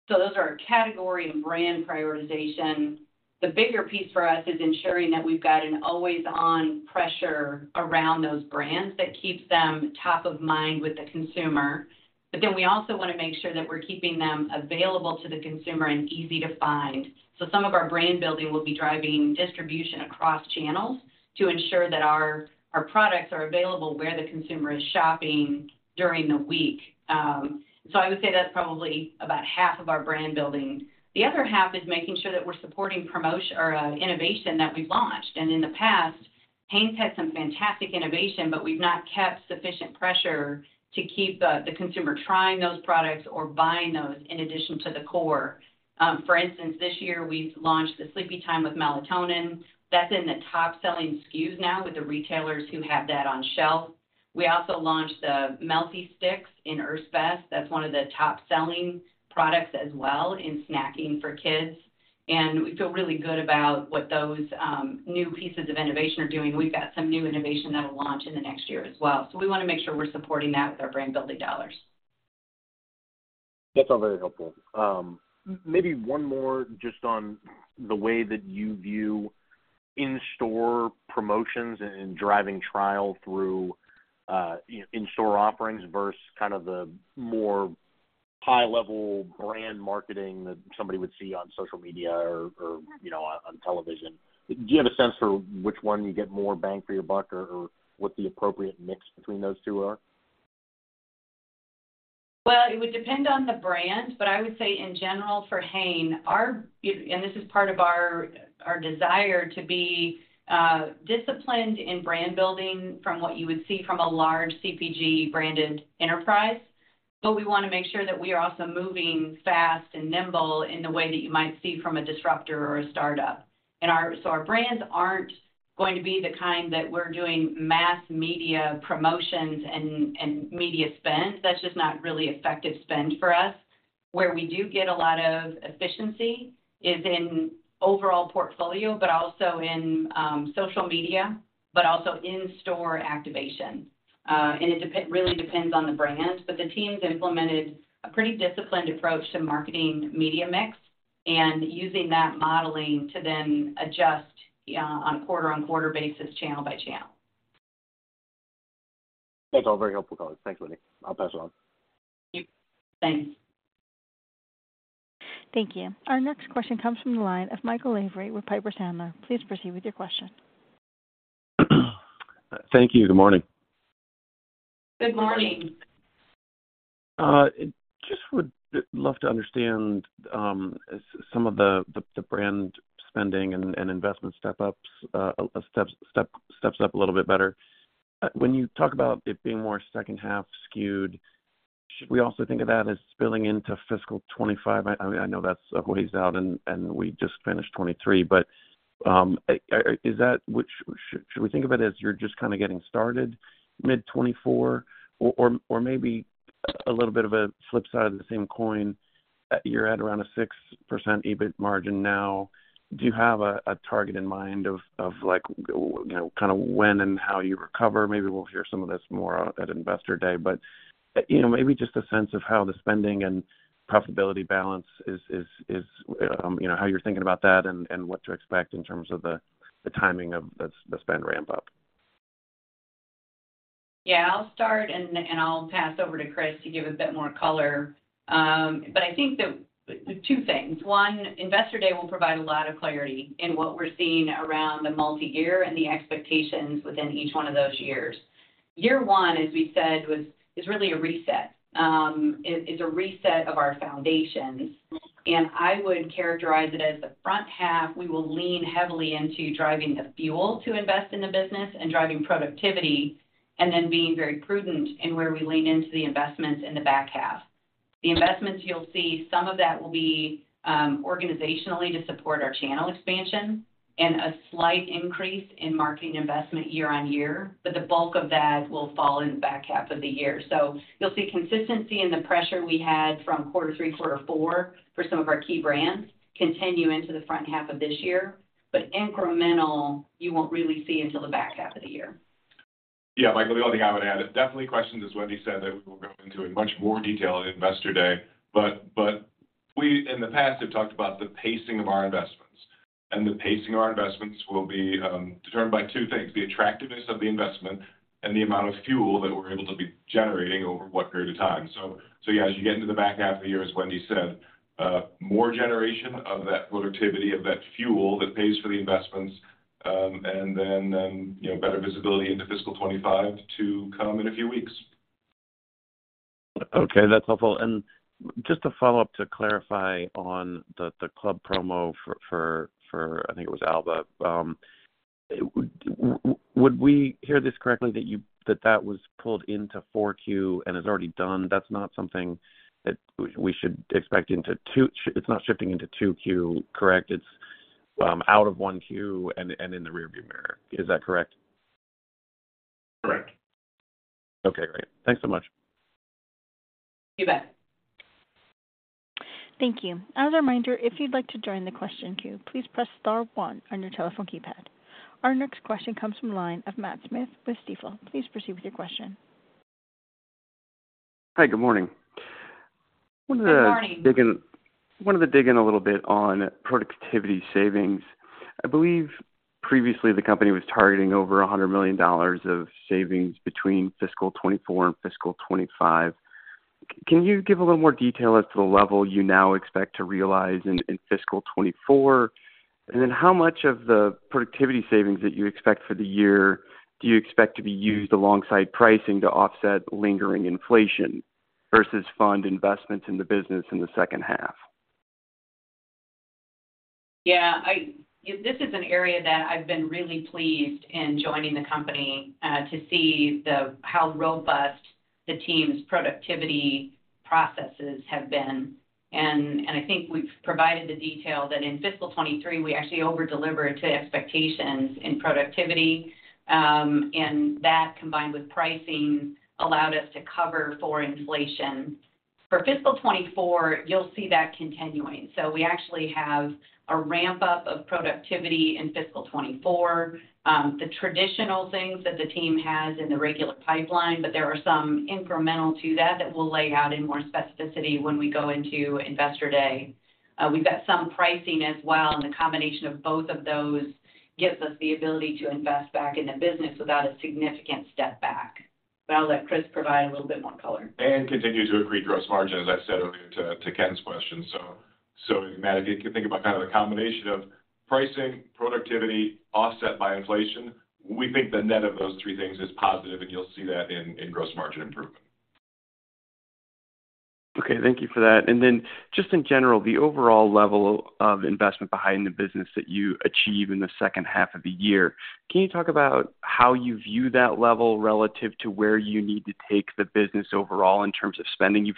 So those are our category and brand prioritization. The bigger piece for us is ensuring that we've got an always-on pressure around those brands that keeps them top of mind with the consumer. But then we also want to make sure that we're keeping them available to the consumer and easy to find. So some of our brand building will be driving distribution across channels to ensure that our products are available where the consumer is shopping during the week. So I would say that's probably about half of our brand building. The other half is making sure that we're supporting promotion or innovation that we've launched. And in the past, Hain's had some fantastic innovation, but we've not kept sufficient pressure to keep the consumer trying those products or buying those in addition to the core. For instance, this year, we've launched the Sleepytime with Melatonin. That's in the top-selling SKUs now with the retailers who have that on shelf. We also launched the Melty Sticks in Earth's Best. That's one of the top-selling products as well in snacking for kids, and we feel really good about what those new pieces of innovation are doing. We've got some new innovation that'll launch in the next year as well, so we want to make sure we're supporting that with our brand-building dollars. That's all very helpful. Maybe one more just on the way that you view in-store promotions and driving trial through in-store offerings versus kind of the more high-level brand marketing that somebody would see on social media or, or, you know, on television. Do you have a sense for which one you get more bang for your buck or, or what the appropriate mix between those two are? Well, it would depend on the brand, but I would say in general, for Hain, our, and this is part of our, our desire to be disciplined in brand building from what you would see from a large CPG-branded enterprise, but we want to make sure that we are also moving fast and nimble in the way that you might see from a disruptor or a startup. And our, so our brands aren't going to be the kind that we're doing mass media promotions and, and media spend. That's just not really effective spend for us. Where we do get a lot of efficiency is in overall portfolio, but also in social media, but also in-store activation. It really depends on the brand, but the team's implemented a pretty disciplined approach to marketing media mix and using that modeling to then adjust on a quarter-over-quarter basis, channel by channel. That's all very helpful, though. Thanks, Wendy. I'll pass it on. Thank you. Thanks. Thank you. Our next question comes from the line of Michael Lavery with Piper Sandler. Please proceed with your question. Thank you. Good morning. Good morning. Just would love to understand some of the brand spending and investment step ups a little bit better. When you talk about it being more second-half skewed, should we also think of that as spilling into fiscal 25? I know that's a ways out, and we just finished 23, but should we think of it as you're just kind of getting started mid-2024, or maybe a little bit of a flip side of the same coin, you're at around a 6% EBIT margin now. Do you have a target in mind of like, you know, kind of when and how you recover? Maybe we'll hear some of this more at Investor Day, but, you know, maybe just a sense of how the spending and profitability balance is, you know, how you're thinking about that and what to expect in terms of the timing of the spend ramp up.... Yeah, I'll start, and I'll pass over to Chris to give a bit more color. But I think that two things: One, Investor Day will provide a lot of clarity in what we're seeing around the multi-year and the expectations within each one of those years. Year one, as we said, was, is really a reset. It's a reset of our foundations, and I would characterize it as the front half. We will lean heavily into driving the fuel to invest in the business and driving productivity, and then being very prudent in where we lean into the investments in the back half. The investments you'll see, some of that will be organizationally to support our channel expansion and a slight increase in marketing investment year on year, but the bulk of that will fall in the back half of the year. You'll see consistency in the pressure we had from quarter three to quarter four for some of our key brands continue into the front half of this year, but incremental, you won't really see until the back half of the year. Yeah, Michael, the only thing I would add, it definitely questions, as Wendy said, that we will go into in much more detail at Investor Day. But we, in the past, have talked about the pacing of our investments. And the pacing of our investments will be determined by two things: the attractiveness of the investment and the amount of fuel that we're able to be generating over what period of time. So yeah, as you get into the back half of the year, as Wendy said, more generation of that productivity, of that fuel that pays for the investments, and then, then, you know, better visibility into fiscal 2025 to come in a few weeks. Okay, that's helpful. And just to follow up, to clarify on the club promo for, I think it was Alba. Would we hear this correctly, that you that that was pulled into four Q and is already done? That's not something that we should expect into two... It's not shifting into two Q, correct? It's out of one Q and in the rearview mirror. Is that correct? Correct. Okay, great. Thanks so much. You bet. Thank you. As a reminder, if you'd like to join the question queue, please press star one on your telephone keypad. Our next question comes from the line of Matt Smith with Stifel. Please proceed with your question. Hi, good morning. Good morning. Wanted to dig in, wanted to dig in a little bit on productivity savings. I believe previously the company was targeting over $100 million of savings between fiscal 2024 and fiscal 2025. Can you give a little more detail as to the level you now expect to realize in fiscal 2024? And then how much of the productivity savings that you expect for the year do you expect to be used alongside pricing to offset lingering inflation versus fund investments in the business in the second half? Yeah, this is an area that I've been really pleased in joining the company to see how robust the team's productivity processes have been. And I think we've provided the detail that in fiscal 2023, we actually over-delivered to expectations in productivity, and that, combined with pricing, allowed us to cover for inflation. For fiscal 2024, you'll see that continuing. So we actually have a ramp-up of productivity in fiscal 2024, the traditional things that the team has in the regular pipeline, but there are some incremental to that, that we'll lay out in more specificity when we go into Investor Day. We've got some pricing as well, and the combination of both of those gives us the ability to invest back in the business without a significant step back. But I'll let Chris provide a little bit more color. Continue to accrete gross margin, as I said earlier to Ken's question. So, Matt, if you can think about kind of the combination of pricing, productivity, offset by inflation, we think the net of those three things is positive, and you'll see that in gross margin improvement. Okay, thank you for that. And then, just in general, the overall level of investment behind the business that you achieve in the second half of the year, can you talk about how you view that level relative to where you need to take the business overall in terms of spending? You've,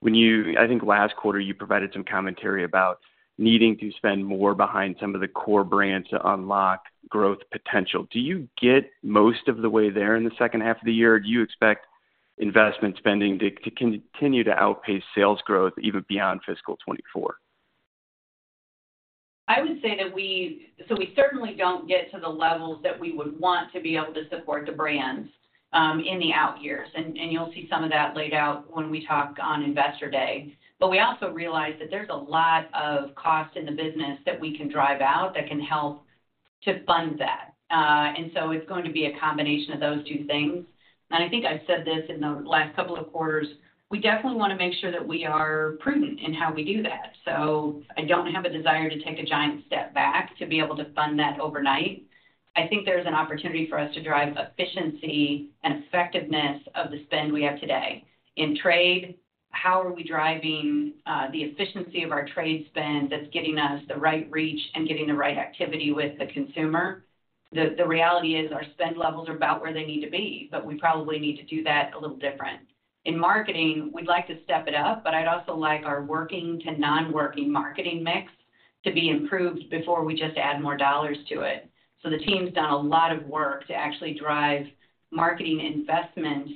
when you, I think last quarter you provided some commentary about needing to spend more behind some of the core brands to unlock growth potential. Do you get most of the way there in the second half of the year, or do you expect investment spending to continue to outpace sales growth even beyond fiscal 2024? I would say that so we certainly don't get to the levels that we would want to be able to support the brands in the out years. And you'll see some of that laid out when we talk on Investor Day. But we also realize that there's a lot of cost in the business that we can drive out that can help to fund that. and so it's going to be a combination of those two things. And I think I've said this in the last couple of quarters, we definitely want to make sure that we are prudent in how we do that. So I don't have a desire to take a giant step back to be able to fund that overnight. I think there's an opportunity for us to drive efficiency and effectiveness of the spend we have today. In trade, how are we driving the efficiency of our trade spend that's getting us the right reach and getting the right activity with the consumer? The reality is, our spend levels are about where they need to be, but we probably need to do that a little different. In marketing, we'd like to step it up, but I'd also like our working to non-working marketing mix to be improved before we just add more dollars to it. So the team's done a lot of work to actually drive marketing investment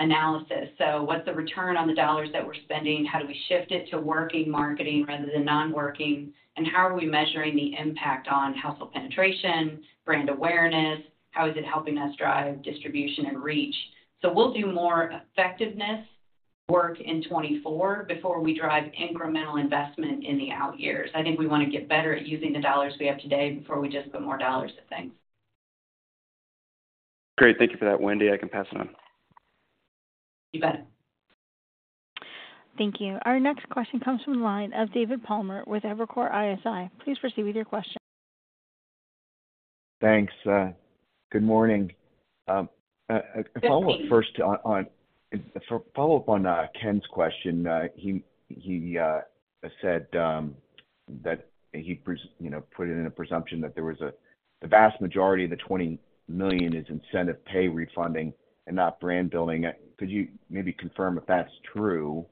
analysis. So what's the return on the dollars that we're spending? How do we shift it to working marketing rather than non-working? And how are we measuring the impact on household penetration, brand awareness? How is it helping us drive distribution and reach? So we'll do more effectiveness-... work in 2024 before we drive incremental investment in the out years. I think we want to get better at using the dollars we have today before we just put more dollars to things. Great. Thank you for that, Wendy. I can pass it on. You bet. Thank you. Our next question comes from the line of David Palmer with Evercore ISI. Please proceed with your question. Thanks. Good morning. A follow-up first on for follow-up on Ken's question. He said that he you know put it in a presumption that there was a the vast majority of the $20 million is incentive pay refunding and not brand building. Could you maybe confirm if that's true?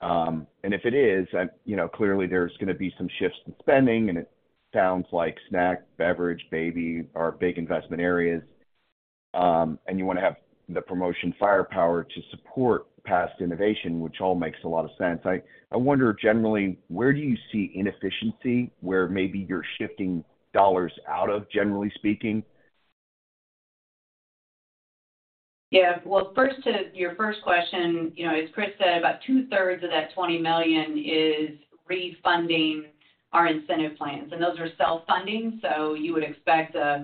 And if it is, you know, clearly there's going to be some shifts in spending, and it sounds like snack, beverage, baby are big investment areas, and you want to have the promotion firepower to support past innovation, which all makes a lot of sense. I wonder generally where do you see inefficiency, where maybe you're shifting dollars out of, generally speaking? Yeah. Well, first, to your first question, you know, as Chris said, about two-thirds of that $20 million is refunding our incentive plans, and those are self-funding. So you would expect, as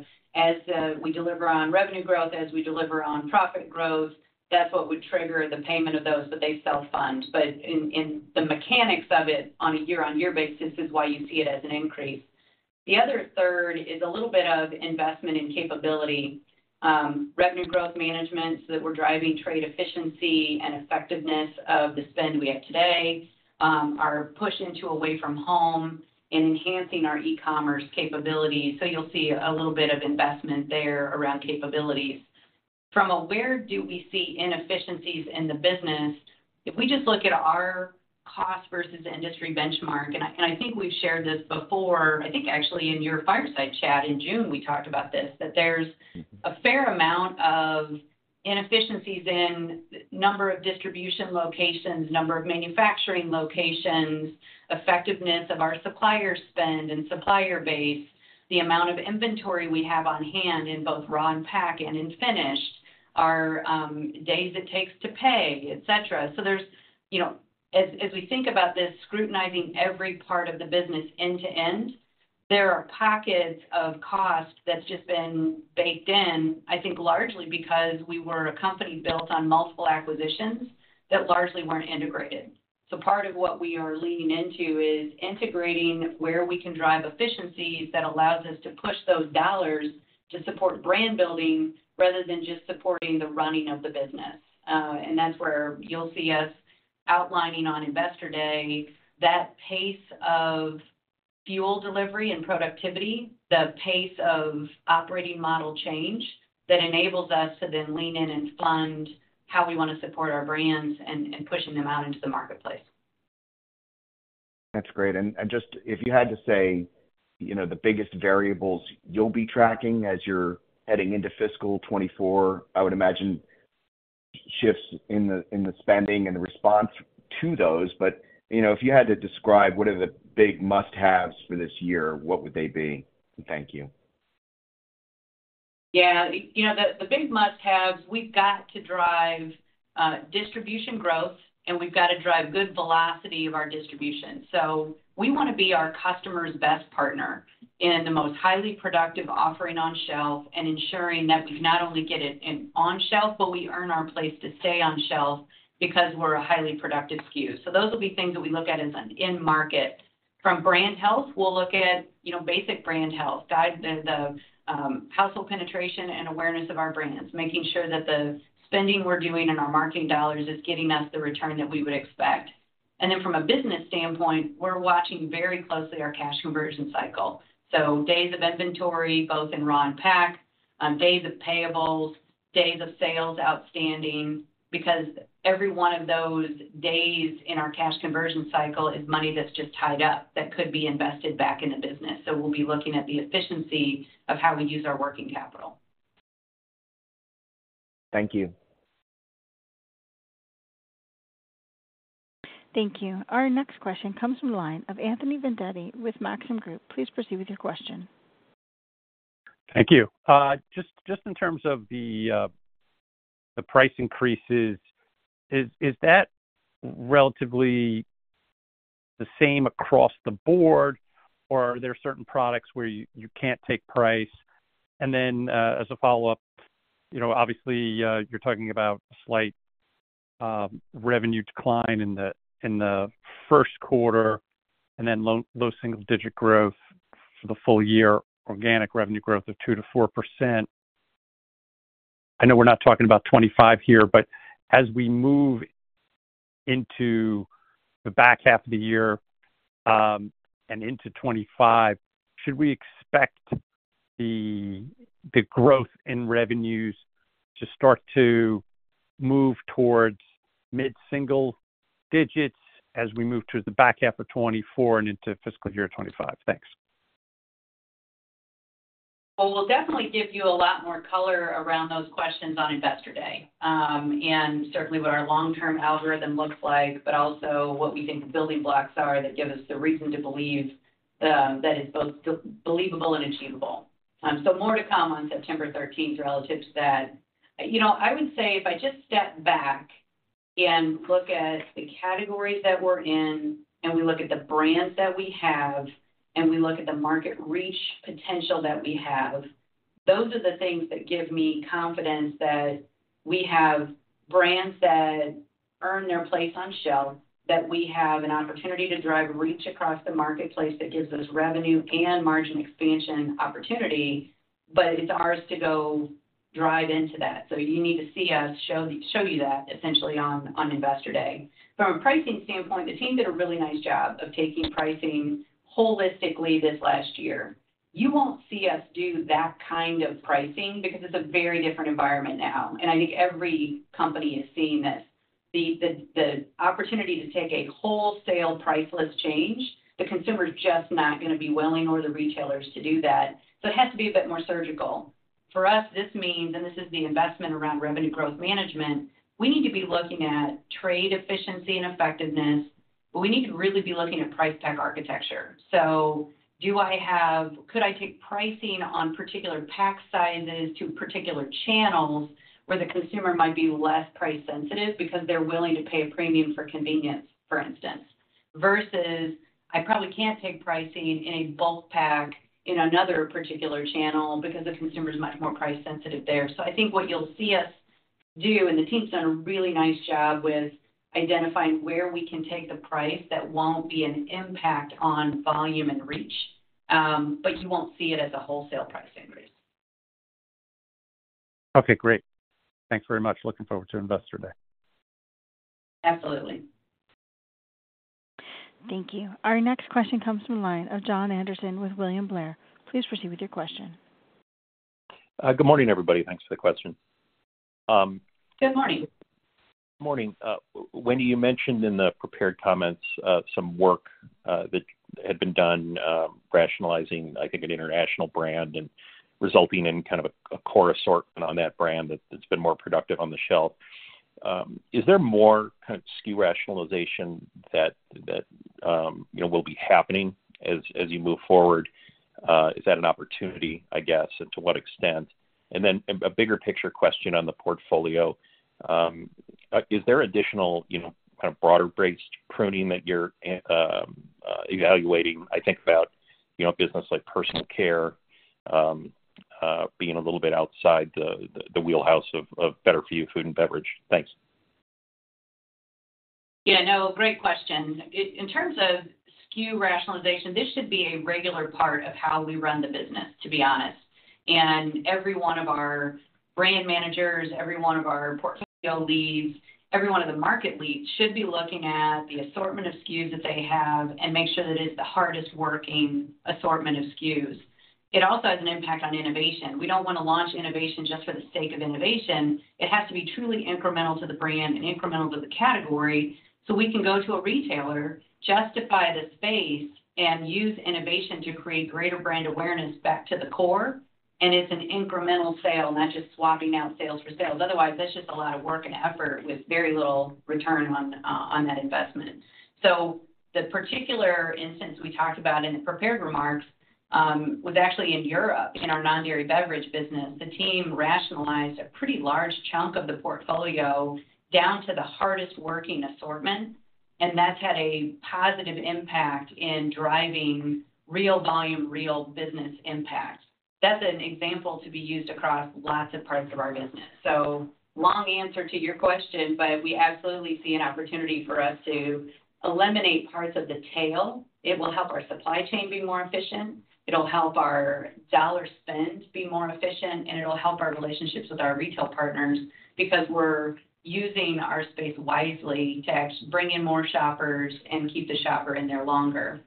we deliver on revenue growth, as we deliver on profit growth, that's what would trigger the payment of those, that they self-fund. But in the mechanics of it, on a year-on-year basis, is why you see it as an increase. The other third is a little bit of investment in capability, revenue growth management, so that we're driving trade efficiency and effectiveness of the spend we have today, our push into away from home and enhancing our e-commerce capabilities. So you'll see a little bit of investment there around capabilities. From where do we see inefficiencies in the business, if we just look at our cost versus industry benchmark, and I think we've shared this before, I think actually in your fireside chat in June, we talked about this, that there's a fair amount of inefficiencies in number of distribution locations, number of manufacturing locations, effectiveness of our supplier spend and supplier base, the amount of inventory we have on hand in both raw and pack and in finished, our days it takes to pay, et cetera. So there's, you know, as we think about this, scrutinizing every part of the business end-to-end, there are pockets of cost that's just been baked in, I think, largely because we were a company built on multiple acquisitions that largely weren't integrated. Part of what we are leaning into is integrating where we can drive efficiencies that allows us to push those dollars to support brand building, rather than just supporting the running of the business. That's where you'll see us outlining on Investor Day, that pace of fuel delivery and productivity, the pace of operating model change that enables us to then lean in and fund how we want to support our brands and pushing them out into the marketplace. That's great. And just if you had to say, you know, the biggest variables you'll be tracking as you're heading into fiscal 2024, I would imagine shifts in the spending and the response to those. But, you know, if you had to describe what are the big must-haves for this year, what would they be? Thank you. Yeah, you know, the big must-haves, we've got to drive distribution growth, and we've got to drive good velocity of our distribution. So we want to be our customer's best partner in the most highly productive offering on shelf and ensuring that we not only get it in on shelf, but we earn our place to stay on shelf because we're a highly productive SKU. So those will be things that we look at as an in-market. From brand health, we'll look at, you know, basic brand health, guide household penetration and awareness of our brands, making sure that the spending we're doing and our marketing dollars is getting us the return that we would expect. And then from a business standpoint, we're watching very closely our cash conversion cycle. So days of inventory, both in raw and pack, days of payables, days of sales outstanding, because every one of those days in our cash conversion cycle is money that's just tied up, that could be invested back in the business. So we'll be looking at the efficiency of how we use our working capital. Thank you. Thank you. Our next question comes from the line of Anthony Vendetti with Maxim Group. Please proceed with your question. Thank you. Just, just in terms of the price increases, is that relatively the same across the board, or are there certain products where you can't take price? And then, as a follow-up, you know, obviously, you're talking about a slight revenue decline in the first quarter, and then low single digit growth for the full year, organic revenue growth of 2%-4%. I know we're not talking about 25 here, but as we move into the back half of the year, and into 2025, should we expect the growth in revenues to start to move towards mid-single digits as we move to the back half of 2024 and into fiscal year 2025? Thanks. Well, we'll definitely give you a lot more color around those questions on Investor Day, and certainly what our long-term algorithm looks like, but also what we think the building blocks are, that give us the reason to believe that it's both believable and achievable. So more to come on September thirteenth relative to that. You know, I would say if I just step back and look at the categories that we're in and we look at the brands that we have and we look at the market reach potential that we have, those are the things that give me confidence that we have brands that earn their place on shelf, that we have an opportunity to drive reach across the marketplace. That gives us revenue and margin expansion opportunity, but it's ours to go drive into that. So you need to see us show you that essentially on Investor Day. From a pricing standpoint, the team did a really nice job of taking pricing holistically this last year. You won't see us do that kind of pricing because it's a very different environment now, and I think every company is seeing this. The opportunity to take a wholesale price list change, the consumer is just not gonna be willing, or the retailers, to do that. So it has to be a bit more surgical. For us, this means, and this is the investment around revenue growth management, we need to be looking at trade efficiency and effectiveness, but we need to really be looking at price tag architecture. So could I take pricing on particular pack sizes to particular channels where the consumer might be less price sensitive because they're willing to pay a premium for convenience, for instance? Versus I probably can't take pricing in a bulk pack in another particular channel because the consumer is much more price sensitive there. So I think what you'll see us do, and the team's done a really nice job with identifying where we can take the price that won't be an impact on volume and reach, but you won't see it as a wholesale price increase. Okay, great. Thanks very much. Looking forward to Investor Day. Absolutely. Thank you. Our next question comes from the line of Jon Andersen with William Blair. Please proceed with your question. Good morning, everybody. Thanks for the question. Good morning. Morning. Wendy, you mentioned in the prepared comments some work that had been done rationalizing, I think, an international brand and resulting in kind of a core assortment on that brand that's been more productive on the shelf. Is there more kind of SKU rationalization that you know will be happening as you move forward? Is that an opportunity, I guess, and to what extent? And then a bigger picture question on the portfolio. Is there additional, you know, kind of broader-based pruning that you're evaluating, I think about, you know, a business like personal care being a little bit outside the wheelhouse of Better for You food and beverage? Thanks. Yeah, no, great question. In terms of SKU rationalization, this should be a regular part of how we run the business, to be honest. Every one of our brand managers, every one of our portfolio leads, every one of the market leads, should be looking at the assortment of SKUs that they have and make sure that it's the hardest working assortment of SKUs. It also has an impact on innovation. We don't wanna launch innovation just for the sake of innovation. It has to be truly incremental to the brand and incremental to the category. So we can go to a retailer, justify the space, and use innovation to create greater brand awareness back to the core, and it's an incremental sale, not just swapping out sales for sales. Otherwise, that's just a lot of work and effort with very little return on that investment. So the particular instance we talked about in the prepared remarks, was actually in Europe. In our non-dairy beverage business, the team rationalized a pretty large chunk of the portfolio down to the hardest working assortment, and that's had a positive impact in driving real volume, real business impact. That's an example to be used across lots of parts of our business. So long answer to your question, but we absolutely see an opportunity for us to eliminate parts of the tail. It will help our supply chain be more efficient, it'll help our dollar spend be more efficient, and it'll help our relationships with our retail partners, because we're using our space wisely to actually bring in more shoppers and keep the shopper in there longer.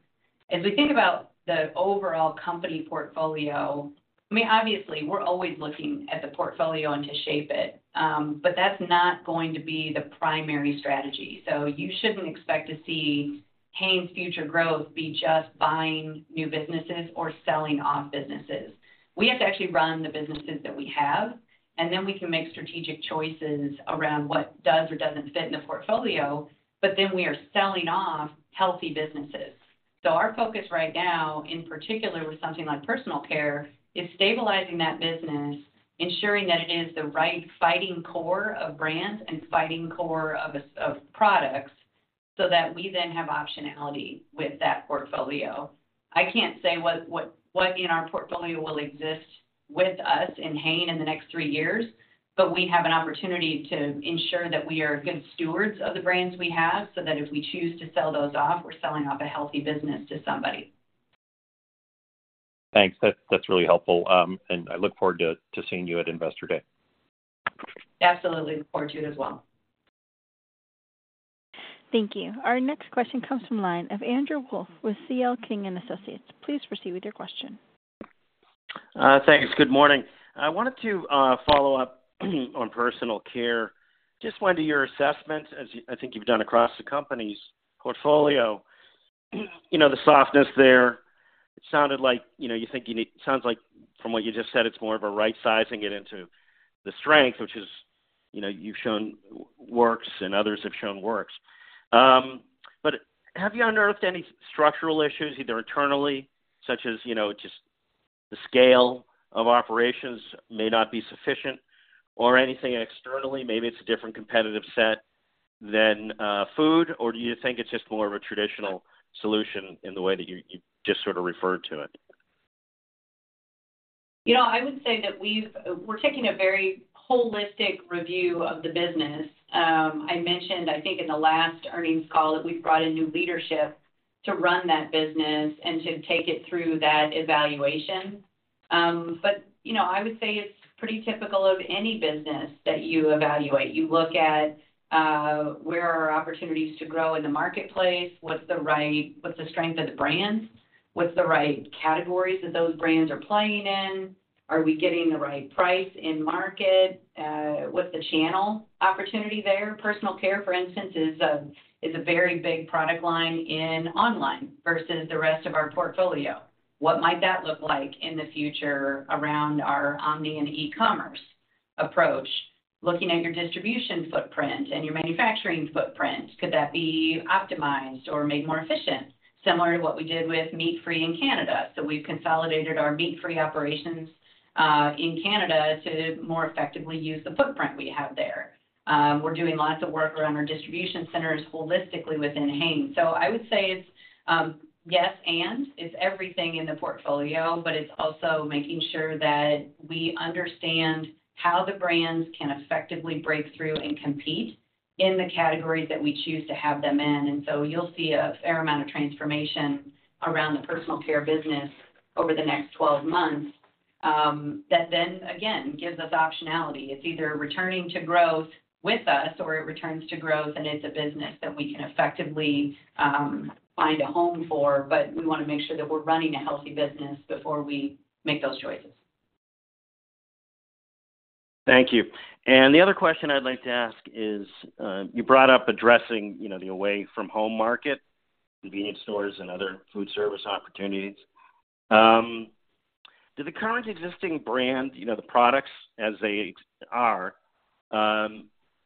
As we think about the overall company portfolio, I mean, obviously, we're always looking at the portfolio and to shape it, but that's not going to be the primary strategy. So you shouldn't expect to see Hain's future growth be just buying new businesses or selling off businesses. We have to actually run the businesses that we have, and then we can make strategic choices around what does or doesn't fit in the portfolio, but then we are selling off healthy businesses. So our focus right now, in particular with something like personal care, is stabilizing that business, ensuring that it is the right fighting core of brands and fighting core of products, so that we then have optionality with that portfolio. I can't say what in our portfolio will exist with us in Hain in the next three years, but we have an opportunity to ensure that we are good stewards of the brands we have, so that if we choose to sell those off, we're selling off a healthy business to somebody. Thanks. That's, that's really helpful. And I look forward to, to seeing you at Investor Day. Absolutely. Look forward to it as well. Thank you. Our next question comes from line of Andrew Wolf with C.L. King and Associates. Please proceed with your question. Thanks. Good morning. I wanted to follow up on personal care. Just, Wendy, your assessment, as you I think you've done across the company's portfolio, you know, the softness there, it sounded like, you know, sounds like from what you just said, it's more of a right sizing it into the strength, which is you know, you've shown works, and others have shown works. But have you unearthed any structural issues, either internally, such as, you know, just the scale of operations may not be sufficient, or anything externally, maybe it's a different competitive set than food? Or do you think it's just more of a traditional solution in the way that you, you just sort of referred to it? You know, I would say that we've, we're taking a very holistic review of the business. I mentioned, I think, in the last earnings call, that we've brought in new leadership to run that business and to take it through that evaluation. But, you know, I would say it's pretty typical of any business that you evaluate. You look at, where are opportunities to grow in the marketplace? What's the right-- what's the strength of the brands? What's the right categories that those brands are playing in? Are we getting the right price in market? What's the channel opportunity there? Personal care, for instance, is a very big product line in online versus the rest of our portfolio. What might that look like in the future around our omni and e-commerce approach? Looking at your distribution footprint and your manufacturing footprint, could that be optimized or made more efficient? Similar to what we did with meat-free in Canada. So we've consolidated our meat-free operations in Canada to more effectively use the footprint we have there. We're doing lots of work around our distribution centers holistically within Hain. So I would say it's yes, and it's everything in the portfolio, but it's also making sure that we understand how the brands can effectively break through and compete in the categories that we choose to have them in. And so you'll see a fair amount of transformation around the personal care business over the next 12 months, that then, again, gives us optionality. It's either returning to growth with us or it returns to growth, and it's a business that we can effectively, find a home for, but we want to make sure that we're running a healthy business before we make those choices. Thank you. And the other question I'd like to ask is, you brought up addressing, you know, the away-from-home market, convenience stores and other food service opportunities. Do the current existing brand, you know, the products as they are, are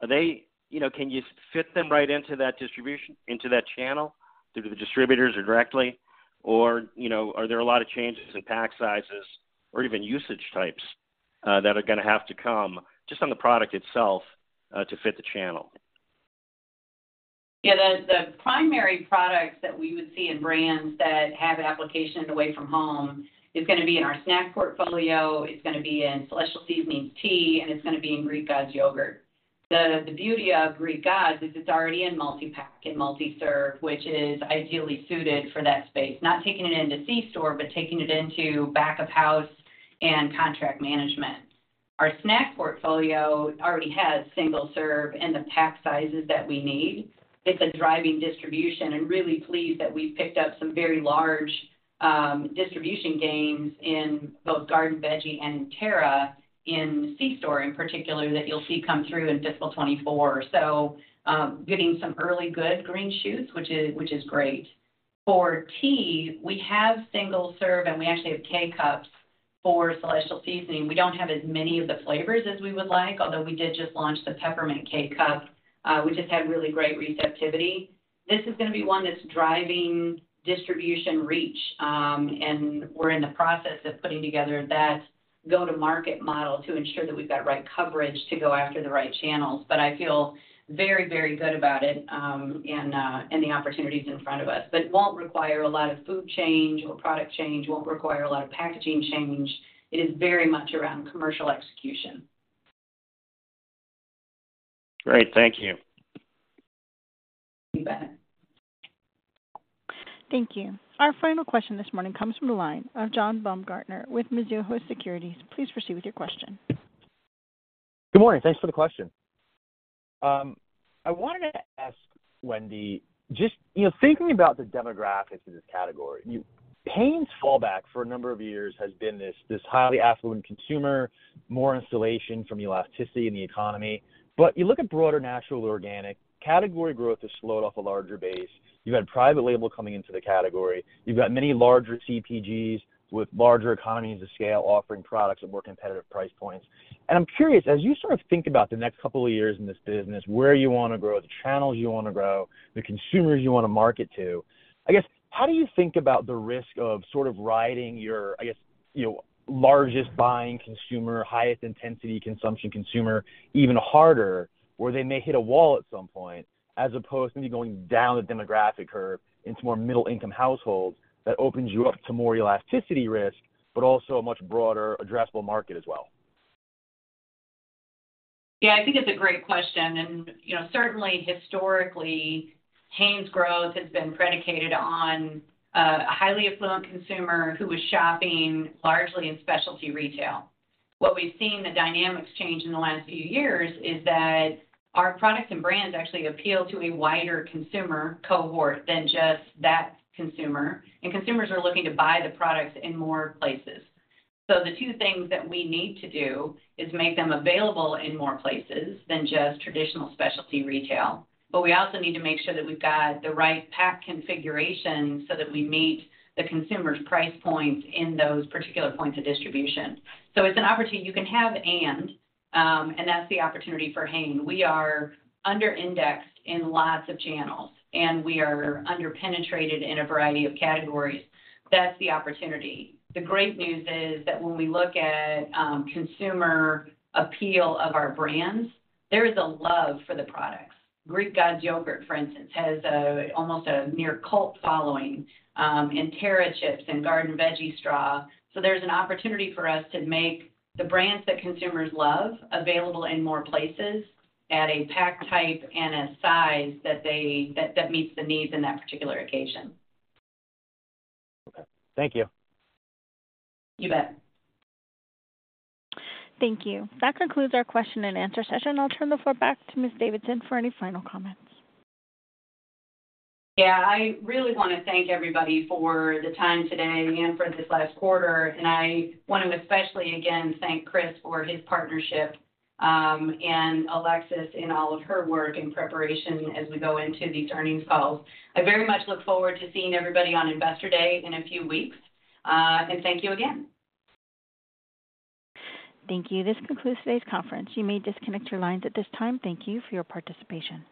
they... You know, can you fit them right into that distribution, into that channel through the distributors or directly? Or, you know, are there a lot of changes in pack sizes or even usage types, that are gonna have to come just on the product itself, to fit the channel? Yeah, the primary products that we would see in brands that have application away from home is gonna be in our snack portfolio. It's gonna be in Celestial Seasonings tea, and it's gonna be in Greek Gods yogurt. The beauty of Greek Gods is it's already in multi-pack and multi-serve, which is ideally suited for that space. Not taking it into C store, but taking it into back of house and contract management. Our snack portfolio already has single serve and the pack sizes that we need. It's a driving distribution, and really pleased that we've picked up some very large distribution gains in both Garden Veggie and Terra in C store in particular, that you'll see come through in fiscal 2024. So, getting some early good green shoots, which is great. For tea, we have single serve, and we actually have K-Cups for Celestial Seasonings. We don't have as many of the flavors as we would like, although we did just launch the Peppermint K-Cup, which has had really great receptivity. This is gonna be one that's driving distribution reach, and we're in the process of putting together that go-to-market model to ensure that we've got the right coverage to go after the right channels. But I feel very, very good about it, and the opportunities in front of us. But it won't require a lot of food change or product change, won't require a lot of packaging change. It is very much around commercial execution. Great. Thank you. You bet. Thank you. Our final question this morning comes from the line of John Baumgartner with Mizuho Securities. Please proceed with your question. Good morning. Thanks for the question. I wanted to ask, Wendy, just, you know, thinking about the demographics of this category, you-- Hain's fallback for a number of years has been this, this highly affluent consumer, more insulation from elasticity in the economy. But you look at broader natural organic, category growth has slowed off a larger base. You've had private label coming into the category. You've got many larger CPGs with larger economies of scale, offering products at more competitive price points. I'm curious, as you sort of think about the next couple of years in this business, where you wanna grow, the channels you wanna grow, the consumers you wanna market to, I guess, how do you think about the risk of sort of riding your, I guess, your largest buying consumer, highest intensity consumption consumer, even harder, where they may hit a wall at some point, as opposed to maybe going down the demographic curve into more middle-income households that opens you up to more elasticity risk, but also a much broader addressable market as well? Yeah, I think it's a great question, and, you know, certainly historically, Hain's growth has been predicated on a highly affluent consumer who was shopping largely in specialty retail. What we've seen the dynamics change in the last few years is that our products and brands actually appeal to a wider consumer cohort than just that consumer, and consumers are looking to buy the products in more places. So the two things that we need to do is make them available in more places than just traditional specialty retail, but we also need to make sure that we've got the right pack configuration so that we meet the consumer's price point in those particular points of distribution. So it's an opportunity you can have, and that's the opportunity for Hain. We are under-indexed in lots of channels, and we are under-penetrated in a variety of categories. That's the opportunity. The great news is that when we look at consumer appeal of our brands, there is a love for the products. Greek Gods yogurt, for instance, has almost a near cult following, and Terra Chips and Garden Veggie Straw. So there's an opportunity for us to make the brands that consumers love available in more places at a pack type and a size that they meets the needs in that particular occasion. Okay. Thank you. You bet. Thank you. That concludes our question and answer session. I'll turn the floor back to Ms. Davidson for any final comments. Yeah, I really wanna thank everybody for the time today and for this last quarter, and I want to especially again thank Chris for his partnership, and Alexis in all of her work and preparation as we go into these earnings calls. I very much look forward to seeing everybody on Investor Day in a few weeks, and thank you again. Thank you. This concludes today's conference. You may disconnect your lines at this time. Thank you for your participation.